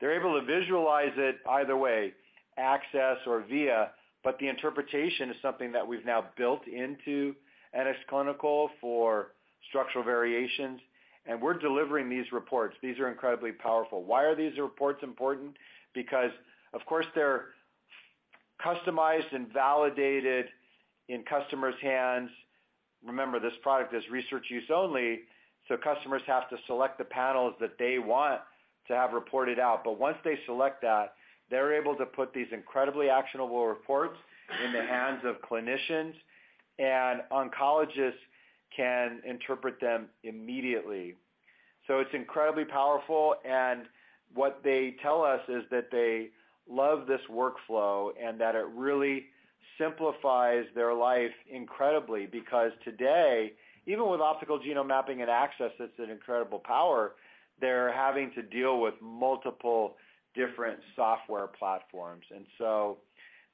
They're able to visualize it either way, Access or VIA, but the interpretation is something that we've now built into NxClinical for structural variations, and we're delivering these reports. These are incredibly powerful. Why are these reports important? Because of course, they're customized and validated in customers' hands. Remember, this product is research use only, so customers have to select the panels that they want to have reported out. Once they select that, they're able to put these incredibly actionable reports in the hands of clinicians, and oncologists can interpret them immediately. It's incredibly powerful, and what they tell us is that they love this workflow, and that it really simplifies their life incredibly. Because today, even with optical genome mapping and Access, that's an incredible power, they're having to deal with multiple different software platforms.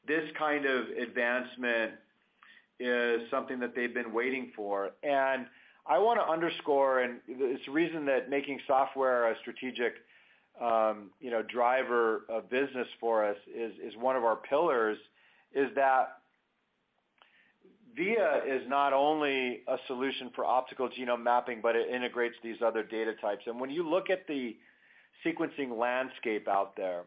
This kind of advancement is something that they've been waiting for. I want to underscore, and it's the reason that making software a strategic, you know, driver of business for us is one of our pillars, is that VIA is not only a solution for optical genome mapping, but it integrates these other data types. When you look at the sequencing landscape out there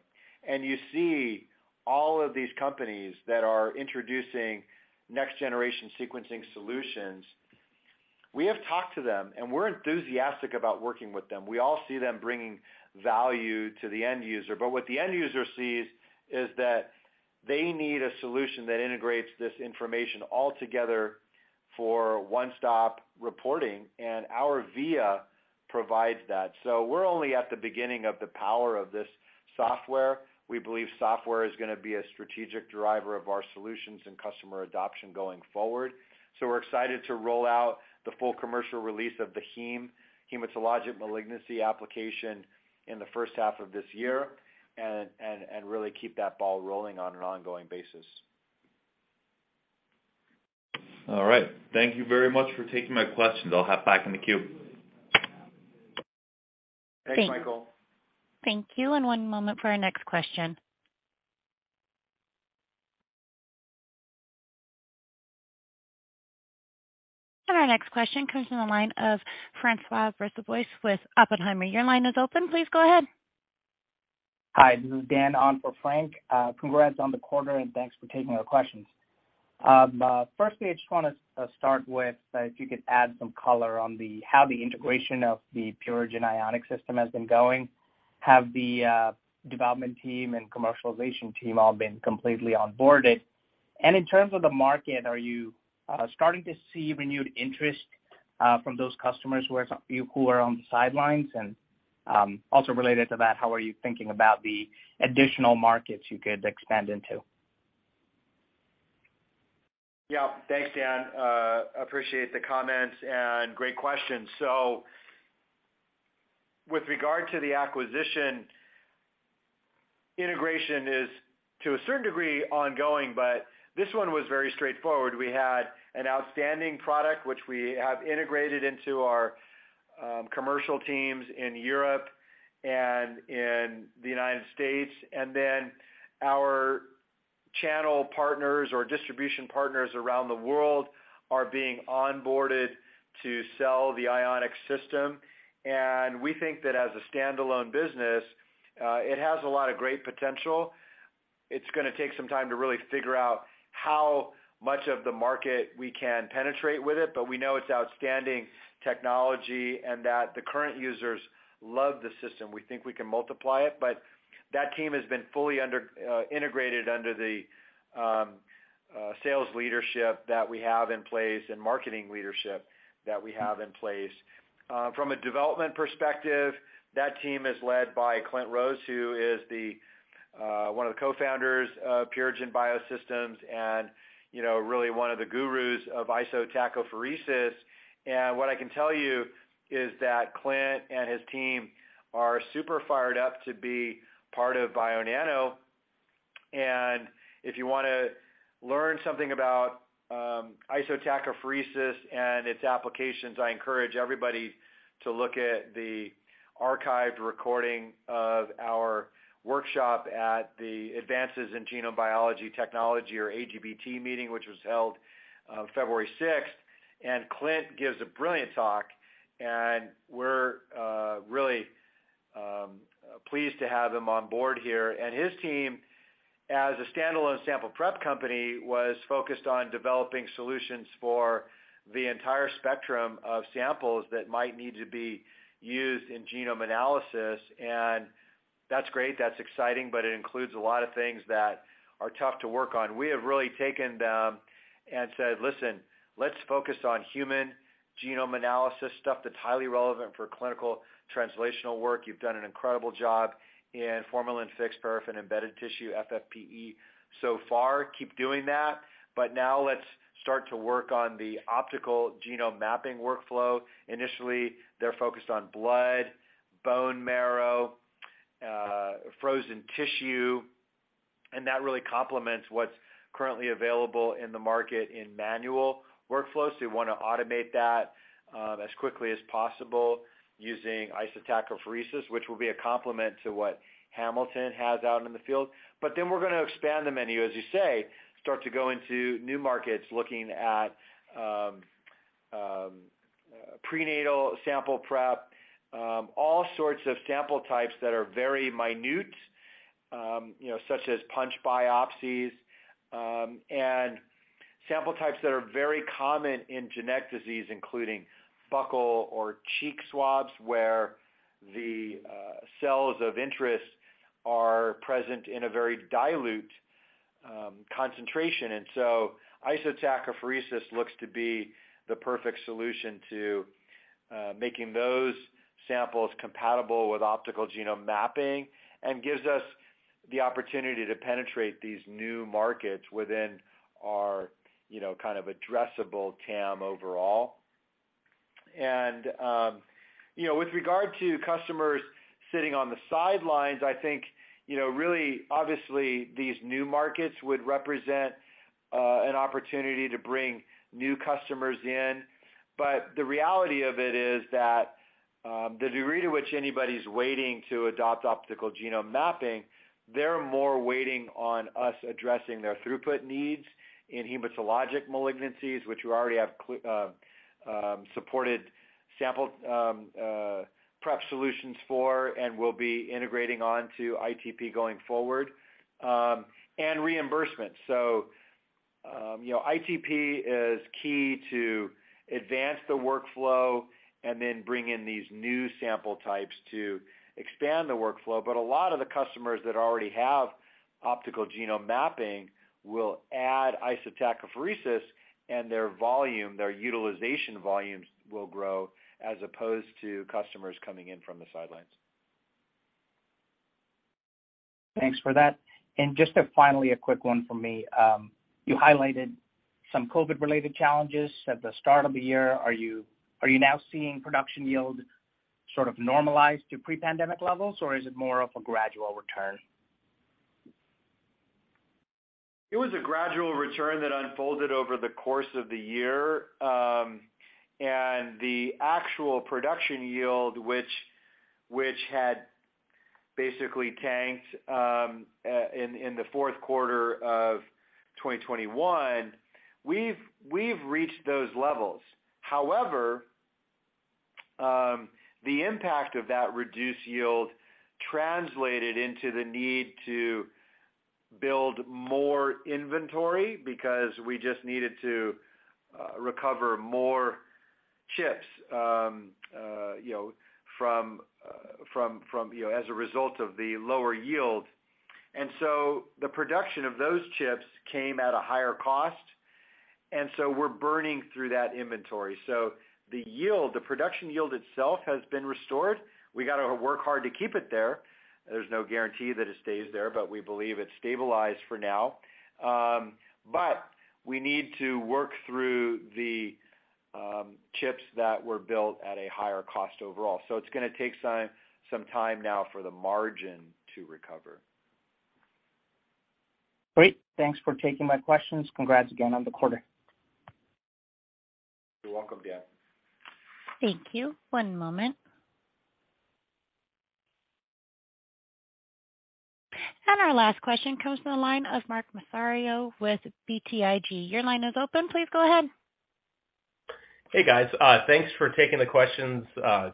and you see all of these companies that are introducing next-generation sequencing solutions, we have talked to them, and we're enthusiastic about working with them. We all see them bringing value to the end user. What the end user sees is that they need a solution that integrates this information all together for one-stop reporting, and our VIA provides that. We're only at the beginning of the power of this software. We believe software is gonna be a strategic driver of our solutions and customer adoption going forward. We're excited to roll out the full commercial release of the heme, hematologic malignancy application in the first half of this year and really keep that ball rolling on an ongoing basis. All right. Thank you very much for taking my questions. I'll hop back in the queue. Thanks, Michael. Thank you. One moment for our next question. Our next question comes from the line of François Brisebois with Oppenheimer. Your line is open. Please go ahead. Hi, this is Dan on for Frank. Congrats on the quarter, thanks for taking our questions. Firstly, I just want to start with, if you could add some color on how the integration of the Purigen Ionic system has been going? Have the development team and commercialization team all been completely onboarded? In terms of the market, are you starting to see renewed interest from those customers who are on the sidelines? Also related to that, how are you thinking about the additional markets you could expand into? Yeah. Thanks, Dan. Appreciate the comments and great questions. With regard to the acquisition, integration is, to a certain degree, ongoing, but this one was very straightforward. We had an outstanding product, which we have integrated into our commercial teams in Europe and in the United States. Our channel partners or distribution partners around the world are being onboarded to sell the Ionic system. We think that as a standalone business, it has a lot of great potential. It's gonna take some time to really figure out how much of the market we can penetrate with it, but we know it's outstanding technology and that the current users love the system. We think we can multiply it, that team has been fully integrated under the sales leadership that we have in place and marketing leadership that we have in place. From a development perspective, that team is led by Klint Rose, who is one of the cofounders of Purigen Biosystems and, you know, really one of the gurus of isotachophoresis. What I can tell you is that Klint and his team are super fired up to be part of Bionano. If you wanna learn something about isotachophoresis and its applications, I encourage everybody to look at the archived recording of our workshop at the Advances in Genome Biology and Technology, or AGBT meeting, which was held February 6. Klint gives a brilliant talk, and we're really pleased to have him on board here. His team, as a standalone sample prep company, was focused on developing solutions for the entire spectrum of samples that might need to be used in genome analysis, and that's great, that's exciting, but it includes a lot of things that are tough to work on. We have really taken them and said, "Listen, let's focus on human genome analysis stuff that's highly relevant for clinical translational work. You've done an incredible job in formalin-fixed, paraffin-embedded tissue, FFPE, so far. Keep doing that, but now let's start to work on the optical genome mapping workflow." Initially, they're focused on blood, bone marrow, frozen tissue, and that really complements what's currently available in the market in manual workflows, so we wanna automate that as quickly as possible using isotachophoresis, which will be a complement to what Hamilton has out in the field. We're gonna expand the menu, as you say, start to go into new markets, looking at prenatal sample prep, all sorts of sample types that are very minute, you know, such as punch biopsies, and sample types that are very common in genetic disease, including buccal or cheek swabs, where the cells of interest are present in a very dilute concentration. Isotachophoresis looks to be the perfect solution to making those samples compatible with optical genome mapping and gives us the opportunity to penetrate these new markets within our, you know, kind of addressable TAM overall. You know, with regard to customers sitting on the sidelines, I think, you know, really, obviously, these new markets would represent an opportunity to bring new customers in. The reality of it is that, the degree to which anybody's waiting to adopt optical genome mapping, they're more waiting on us addressing their throughput needs in hematologic malignancies, which we already have supported sample prep solutions for and will be integrating onto ITP going forward, and reimbursement. You know, ITP is key to advance the workflow and then bring in these new sample types to expand the workflow, but a lot of the customers that already have optical genome mapping will add isotachophoresis, and their volume, their utilization volumes will grow as opposed to customers coming in from the sidelines. Thanks for that. Just, finally, a quick one from me. You highlighted some COVID-related challenges at the start of the year. Are you now seeing production yield sort of normalize to pre-pandemic levels, or is it more of a gradual return? It was a gradual return that unfolded over the course of the year, and the actual production yield, which had basically tanked in the fourth quarter of 2021, we've reached those levels. However, the impact of that reduced yield translated into the need to build more inventory because we just needed to recover more chips, you know, from, you know, as a result of the lower yield. The production of those chips came at a higher cost, and so we're burning through that inventory. The production yield itself has been restored. We gotta work hard to keep it there. There's no guarantee that it stays there, but we believe it's stabilized for now. We need to work through the chips that were built at a higher cost overall. It's going to take some time now for the margin to recover. Great. Thanks for taking my questions. Congrats again on the quarter. You're welcome, Dan. Thank you. One moment. Our last question comes from the line of Mark Massaro with BTIG. Your line is open. Please go ahead. Hey, guys. Thanks for taking the questions.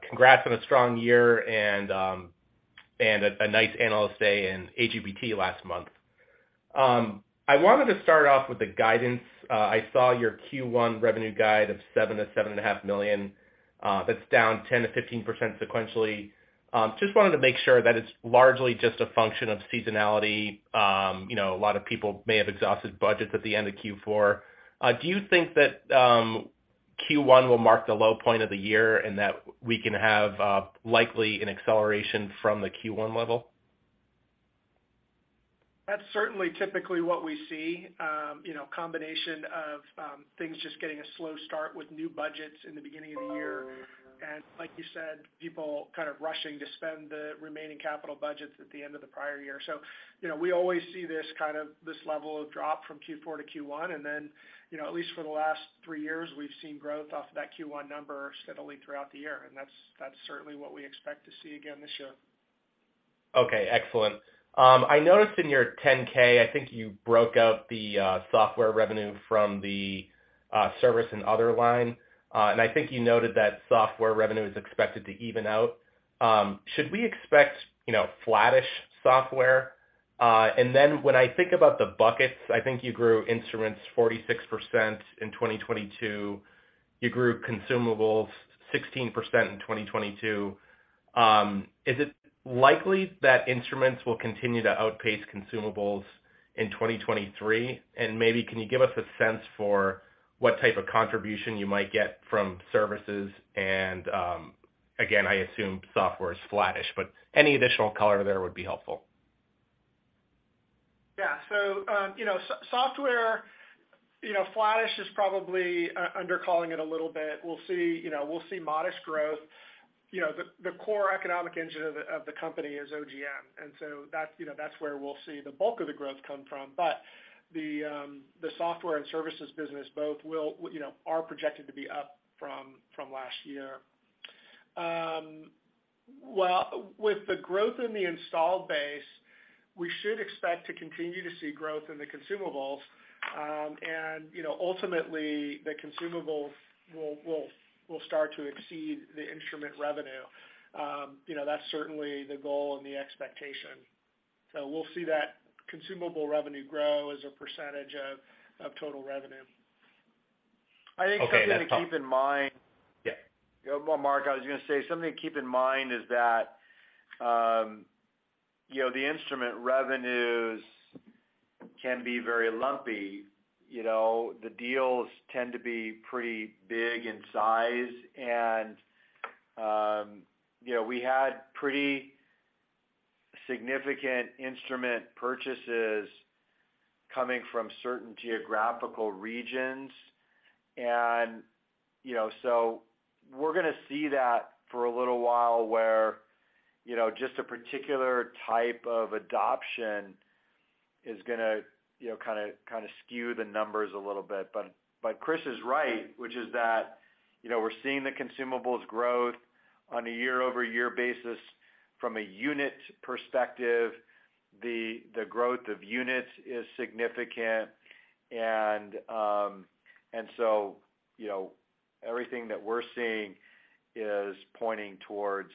Congrats on a strong year and a nice Analyst Day and AGBT last month. I wanted to start off with the guidance. I saw your Q1 revenue guide of $7 million-$7.5 million, that's down 10%-15% sequentially. Just wanted to make sure that it's largely just a function of seasonality, you know, a lot of people may have exhausted budgets at the end of Q4. Do you think that Q1 will mark the low point of the year and that we can have likely an acceleration from the Q1 level? That's certainly typically what we see. You know, combination of things just getting a slow start with new budgets in the beginning of the year. Like you said, people kind of rushing to spend the remaining capital budgets at the end of the prior year. You know, we always see this level of drop from Q4 to Q1. Then, you know, at least for the last 3 years, we've seen growth off of that Q1 number steadily throughout the year, and that's certainly what we expect to see again this year. Okay, excellent. I noticed in your 10K, I think you broke out the software revenue from the service and other line. I think you noted that software revenue is expected to even out. Should we expect, you know, flattish software? Then when I think about the buckets, I think you grew instruments 46% in 2022. You grew consumables 16% in 2022. Is it likely that instruments will continue to outpace consumables in 2023? Maybe can you give us a sense for what type of contribution you might get from services? Again, I assume software is flattish, but any additional color there would be helpful. Yeah. software, you know, flattish is probably under calling it a little bit. We'll see, you know, we'll see modest growth. The core economic engine of the company is OGM, and that's, you know, that's where we'll see the bulk of the growth come from. The software and services business both will, you know, are projected to be up from last year. Well, with the growth in the installed base, we should expect to continue to see growth in the consumables. You know, ultimately the consumables will start to exceed the instrument revenue. You know, that's certainly the goal and the expectation. We'll see that consumable revenue grow as a percentage of total revenue. Okay, that's. I think something to keep in mind... Yeah. Mark, I was gonna say something to keep in mind is that, you know, the instrument revenues can be very lumpy. You know, the deals tend to be pretty big in size and, you know, we had pretty significant instrument purchases coming from certain geographical regions and, you know, so we're gonna see that for a little while where, you know, just a particular type of adoption is gonna, you know, kinda skew the numbers a little bit. But, but Chris is right, which is that, you know, we're seeing the consumables growth on a year-over-year basis. From a unit perspective, the growth of units is significant. So, you know, everything that we're seeing is pointing towards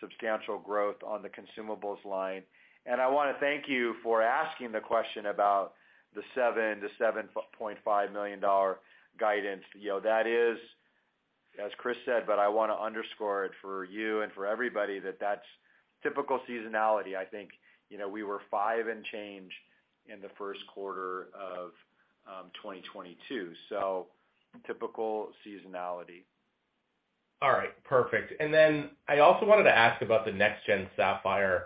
substantial growth on the consumables line. I wanna thank you for asking the question about the $7 million-$7.5 million guidance. You know, that is, as Chris said. I wanna underscore it for you and for everybody that that's typical seasonality. I think, you know, we were five and change in the first quarter of 2022. Typical seasonality. All right. Perfect. I also wanted to ask about the next gen Saphyr.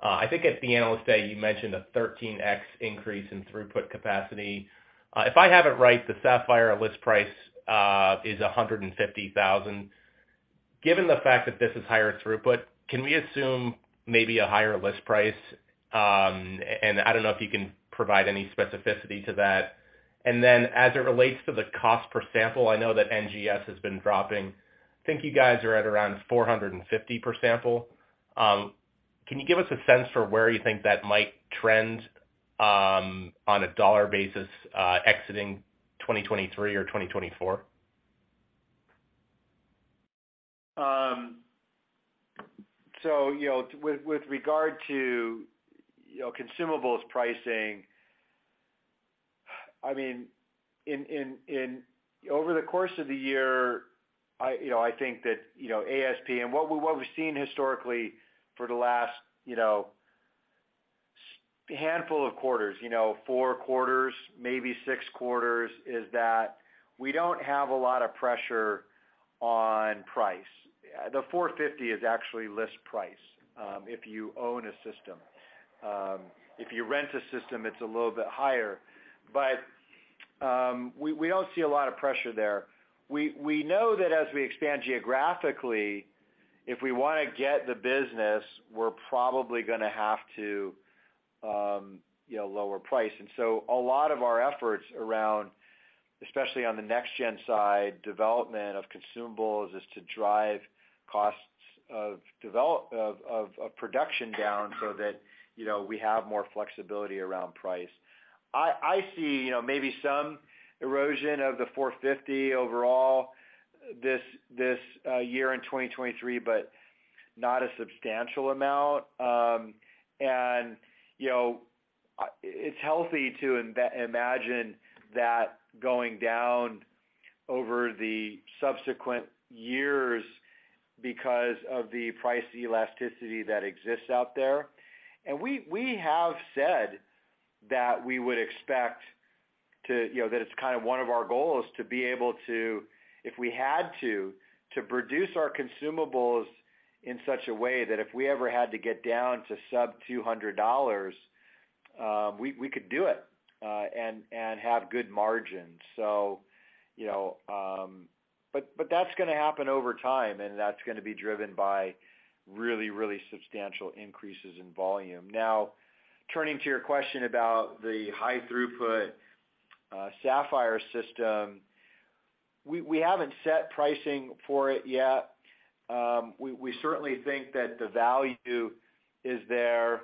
I think at the Analyst Day you mentioned a 13x increase in throughput capacity. If I have it right, the Saphyr list price is $150,000. Given the fact that this is higher throughput, can we assume maybe a higher list price? I don't know if you can provide any specificity to that. As it relates to the cost per sample, I know that NGS has been dropping. I think you guys are at around $450 per sample. Can you give us a sense for where you think that might trend on a dollar basis exiting 2023 or 2024? You know, with regard to, you know, consumables pricing, I mean, over the course of the year I, you know, I think that, you know, ASP and what we, what we've seen historically for the last, you know, handful of quarters, you know, four quarters, maybe six quarters, is that we don't have a lot of pressure on price. The $450 is actually list price if you own a system. If you rent a system, it's a little bit higher. We, we don't see a lot of pressure there. We, we know that as we expand geographically, if we wanna get the business, we're probably gonna have to, you know, lower price. A lot of our efforts around, especially on the next gen side, development of consumables, is to drive costs of production down so that, you know, we have more flexibility around price. I see, you know, maybe some erosion of the $450 overall this year in 2023, but not a substantial amount. You know, it's healthy to imagine that going down over the subsequent years because of the price elasticity that exists out there. We have said that we would expect to, you know, that it's kind of one of our goals to be able to, if we had to produce our consumables in such a way that if we ever had to get down to sub $200, we could do it and have good margins. You know, but that's gonna happen over time, and that's gonna be driven by really, really substantial increases in volume. Now, turning to your question about the high throughput, Saphyr system, we haven't set pricing for it yet. We certainly think that the value is there.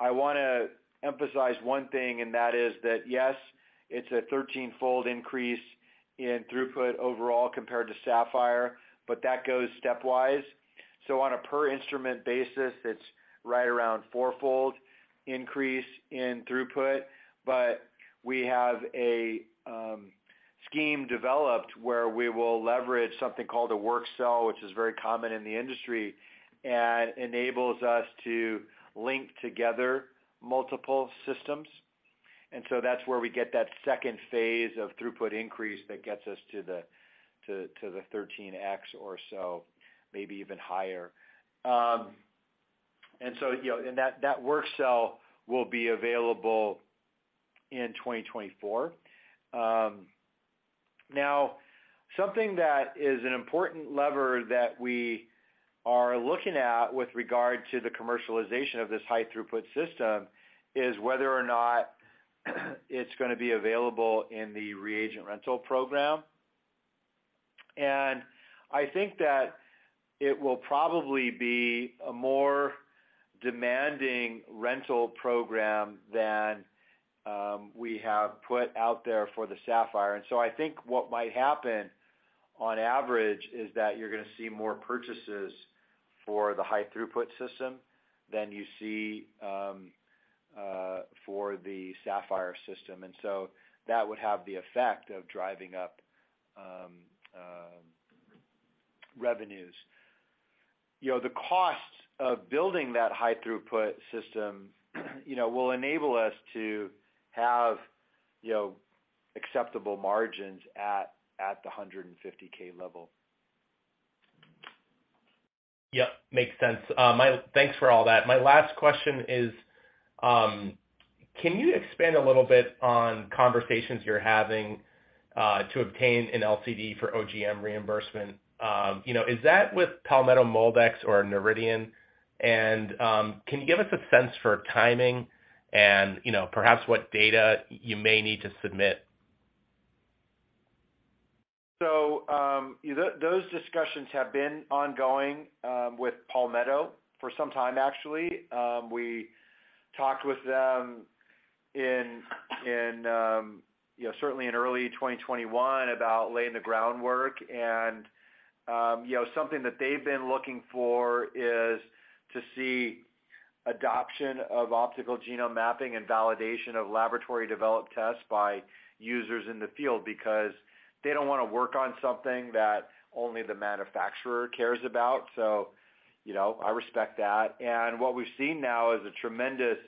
I wanna emphasize one thing, and that is that yes, it's a 13-fold increase in throughput overall compared to Saphyr, but that goes stepwise. On a per instrument basis, it's right around 4-fold increase in throughput. We have a scheme developed where we will leverage something called a work cell, which is very common in the industry and enables us to link together multiple systems. That's where we get that second phase of throughput increase that gets us to the 13x or so, maybe even higher. You know, that work cell will be available in 2024. Now something that is an important lever that we are looking at with regard to the commercialization of this high throughput system is whether or not it's gonna be available in the reagent rental program. I think that it will probably be a more demanding rental program than we have put out there for the Saphyr. I think what might happen on average is that you're gonna see more purchases for the high throughput system than you see for the Saphyr system. That would have the effect of driving up revenues. You know, the cost of building that high throughput system, you know, will enable us to have, you know, acceptable margins at the $150K level. Yeah, makes sense. Thanks for all that. My last question is, can you expand a little bit on conversations you're having to obtain an LCD for OGM reimbursement? You know, is that with Palmetto GBA or Noridian? Can you give us a sense for timing and, you know, perhaps what data you may need to submit? Those discussions have been ongoing with Palmetto for some time, actually. We talked with them in, you know, certainly in early 2021 about laying the groundwork. You know, something that they've been looking for is to see adoption of optical genome mapping and validation of laboratory developed tests by users in the field because they don't wanna work on something that only the manufacturer cares about. You know, I respect that. What we've seen now is a tremendous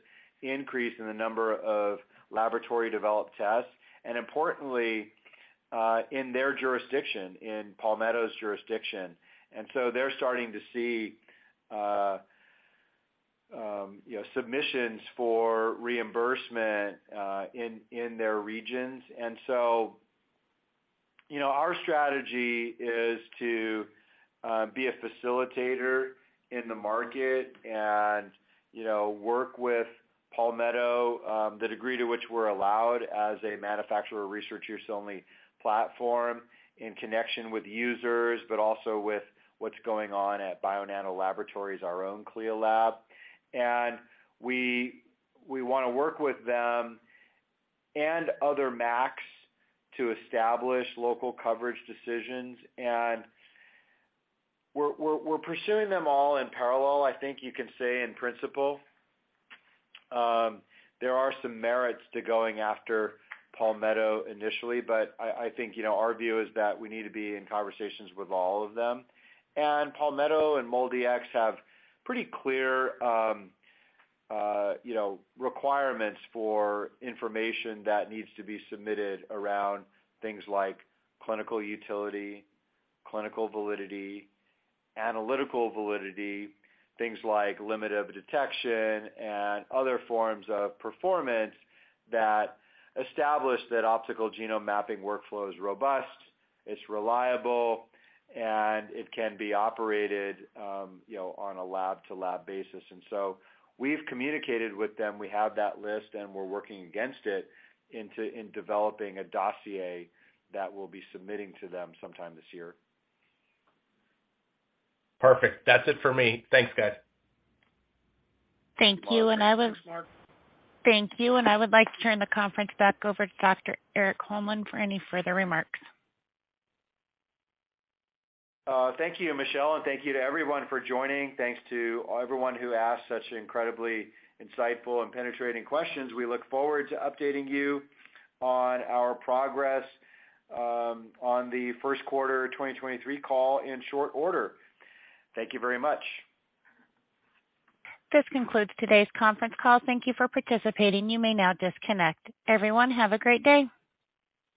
increase in the number of laboratory developed tests, and importantly, in their jurisdiction, in Palmetto's jurisdiction. They're starting to see, you know, submissions for reimbursement in their regions. You know, our strategy is to be a facilitator in the market and, you know, work with Palmetto, the degree to which we're allowed as a manufacturer of research use only platform in connection with users, but also with what's going on at Bionano Laboratories, our own CLIA lab. We wanna work with them and other MACs to establish local coverage decisions, and we're pursuing them all in parallel, I think you can say, in principle. There are some merits to going after Palmetto initially, but I think, you know, our view is that we need to be in conversations with all of them. Palmetto and MolDX have pretty clear, you know, requirements for information that needs to be submitted around things like clinical utility, clinical validity, analytical validity, things like limit of detection and other forms of performance that establish that optical genome mapping workflow is robust, it's reliable, and it can be operated, you know, on a lab-to-lab basis. We've communicated with them. We have that list, and we're working against it in developing a dossier that we'll be submitting to them sometime this year. Perfect. That's it for me. Thanks, guys. Thank you. Thanks, Mark. Thank you. I would like to turn the conference back over to Dr. Erik Holmlin for any further remarks. Thank you, Michelle, and thank you to everyone for joining. Thanks to everyone who asked such incredibly insightful and penetrating questions. We look forward to updating you on our progress, on the first quarter 2023 call in short order. Thank you very much. This concludes today's conference call. Thank you for participating. You may now disconnect. Everyone, have a great day.